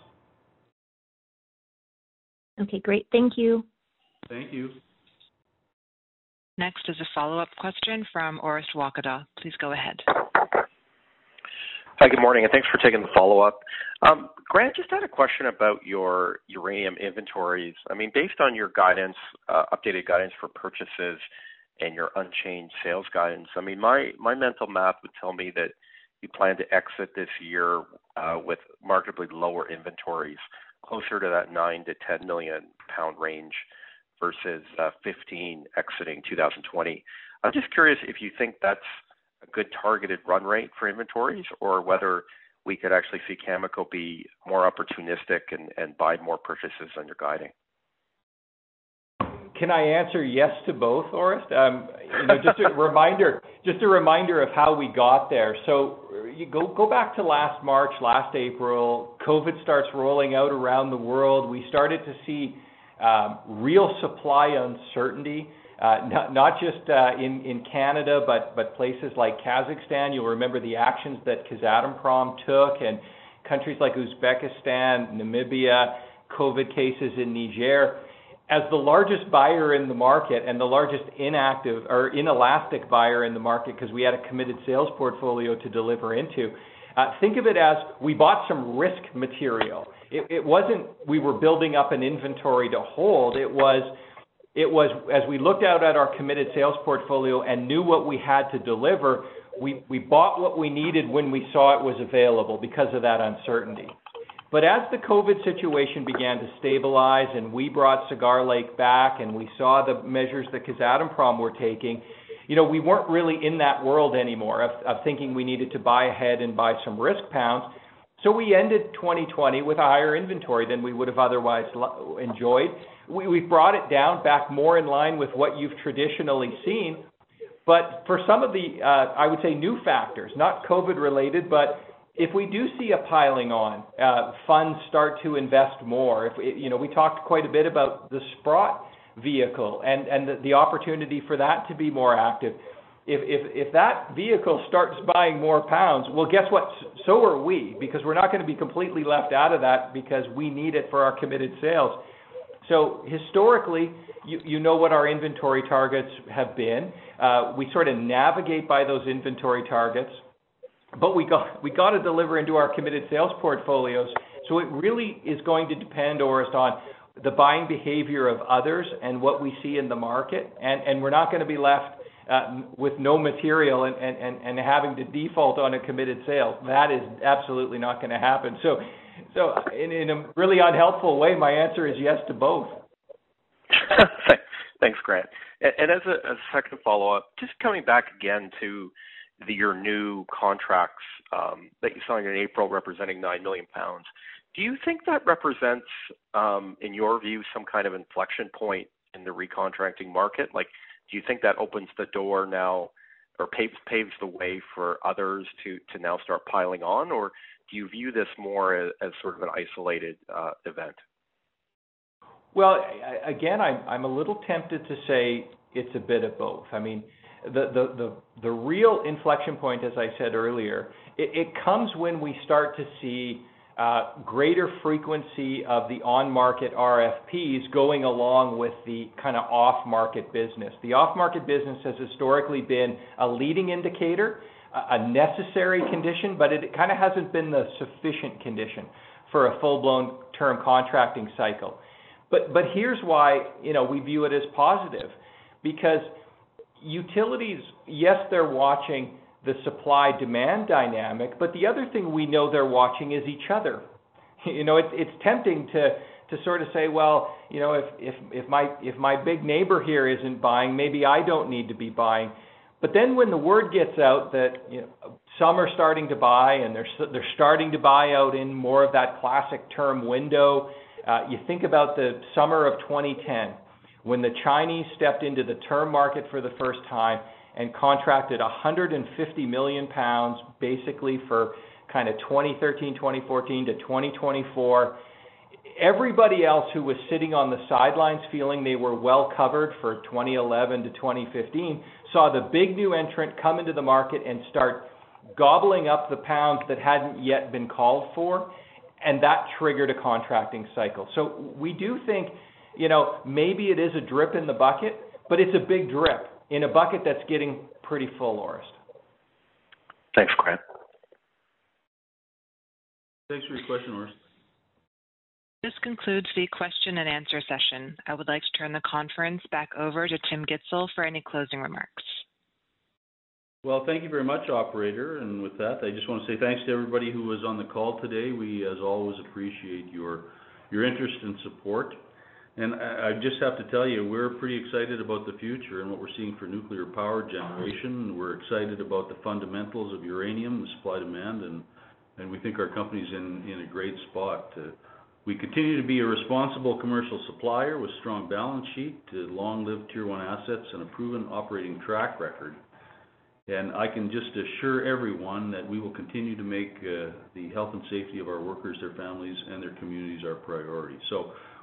Okay, great. Thank you. Thank you. Next is a follow-up question from Orest Wowkodaw. Please go ahead. Hi, good morning, and thanks for taking the follow-up. Grant, just had a question about your uranium inventories. Based on your updated guidance for purchases and your unchanged sales guidance, my mental math would tell me that you plan to exit this year with markedly lower inventories, closer to that nine to 10-million-pound range versus 15 exiting 2020. I'm just curious if you think that's a good targeted run rate for inventories, or whether we could actually see Cameco be more opportunistic and buy more purchases than you're guiding? Can I answer yes to both, Orest? Just a reminder of how we got there. You go back to last March, last April, COVID-19 starts rolling out around the world. We started to see real supply uncertainty, not just in Canada, but places like Kazakhstan. You'll remember the actions that Kazatomprom took and countries like Uzbekistan, Namibia, COVID-19 cases in Niger. As the largest buyer in the market and the largest inactive or inelastic buyer in the market because we had a committed sales portfolio to deliver into, think of it as we bought some risk material. It wasn't we were building up an inventory to hold. It was as we looked out at our committed sales portfolio and knew what we had to deliver, we bought what we needed when we saw it was available because of that uncertainty. As the COVID-19 situation began to stabilize and we brought Cigar Lake back and we saw the measures that Kazatomprom were taking, we weren't really in that world anymore of thinking we needed to buy ahead and buy some risk pounds. We ended 2020 with a higher inventory than we would have otherwise enjoyed. We brought it down back more in line with what you've traditionally seen. For some of the, I would say, new factors, not COVID-19 related, if we do see a piling on, funds start to invest more. We talked quite a bit about the Sprott vehicle and the opportunity for that to be more active. If that vehicle starts buying more pounds, well, guess what? Are we, because we're not going to be completely left out of that because we need it for our committed sales. Historically, you know what our inventory targets have been. We sort of navigate by those inventory targets, but we got to deliver into our committed sales portfolios. It really is going to depend, Orest, on the buying behavior of others and what we see in the market, and we're not going to be left with no material and having to default on a committed sale. That is absolutely not going to happen. In a really unhelpful way, my answer is yes to both. Thanks, Grant. As a second follow-up, just coming back again to your new contracts that you signed in April representing 9 million pounds. Do you think that represents, in your view, some kind of inflection point in the recontracting market? Do you think that opens the door now or paves the way for others to now start piling on, or do you view this more as sort of an isolated event? Well, again, I'm a little tempted to say it's a bit of both. The real inflection point, as I said earlier, it comes when we start to see greater frequency of the on-market RFPs going along with the off-market business. The off-market business has historically been a leading indicator, a necessary condition, but it kind of hasn't been the sufficient condition for a full-blown term contracting cycle. Here's why we view it as positive, because utilities, yes, they're watching the supply-demand dynamic, but the other thing we know they're watching is each other. It's tempting to sort of say, well, if my big neighbor here isn't buying, maybe I don't need to be buying. When the word gets out that some are starting to buy, and they're starting to buy out in more of that classic term window, you think about the summer of 2010, when the Chinese stepped into the term market for the first time and contracted 150 million pounds, basically for 2013, 2014 to 2024. Everybody else who was sitting on the sidelines feeling they were well covered for 2011 to 2015 saw the big new entrant come into the market and start gobbling up the pounds that hadn't yet been called for, and that triggered a contracting cycle. We do think maybe it is a drip in the bucket, but it's a big drip in a bucket that's getting pretty full, Orest. Thanks, Grant. Thanks for your question, Orest. This concludes the question and answer session. I would like to turn the conference back over to Tim Gitzel for any closing remarks. Well, thank you very much, operator. With that, I just want to say thanks to everybody who was on the call today. We, as always, appreciate your interest and support. I just have to tell you, we're pretty excited about the future and what we're seeing for nuclear power generation. We're excited about the fundamentals of uranium, the supply-demand, and we think our company's in a great spot. We continue to be a responsible commercial supplier with strong balance sheet to long-lived tier 1 assets and a proven operating track record. I can just assure everyone that we will continue to make the health and safety of our workers, their families, and their communities our priority.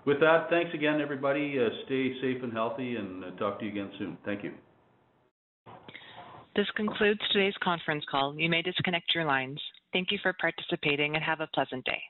With that, thanks again, everybody. Stay safe and healthy, and talk to you again soon. Thank you. This concludes today's conference call. You may disconnect your lines. Thank you for participating and have a pleasant day.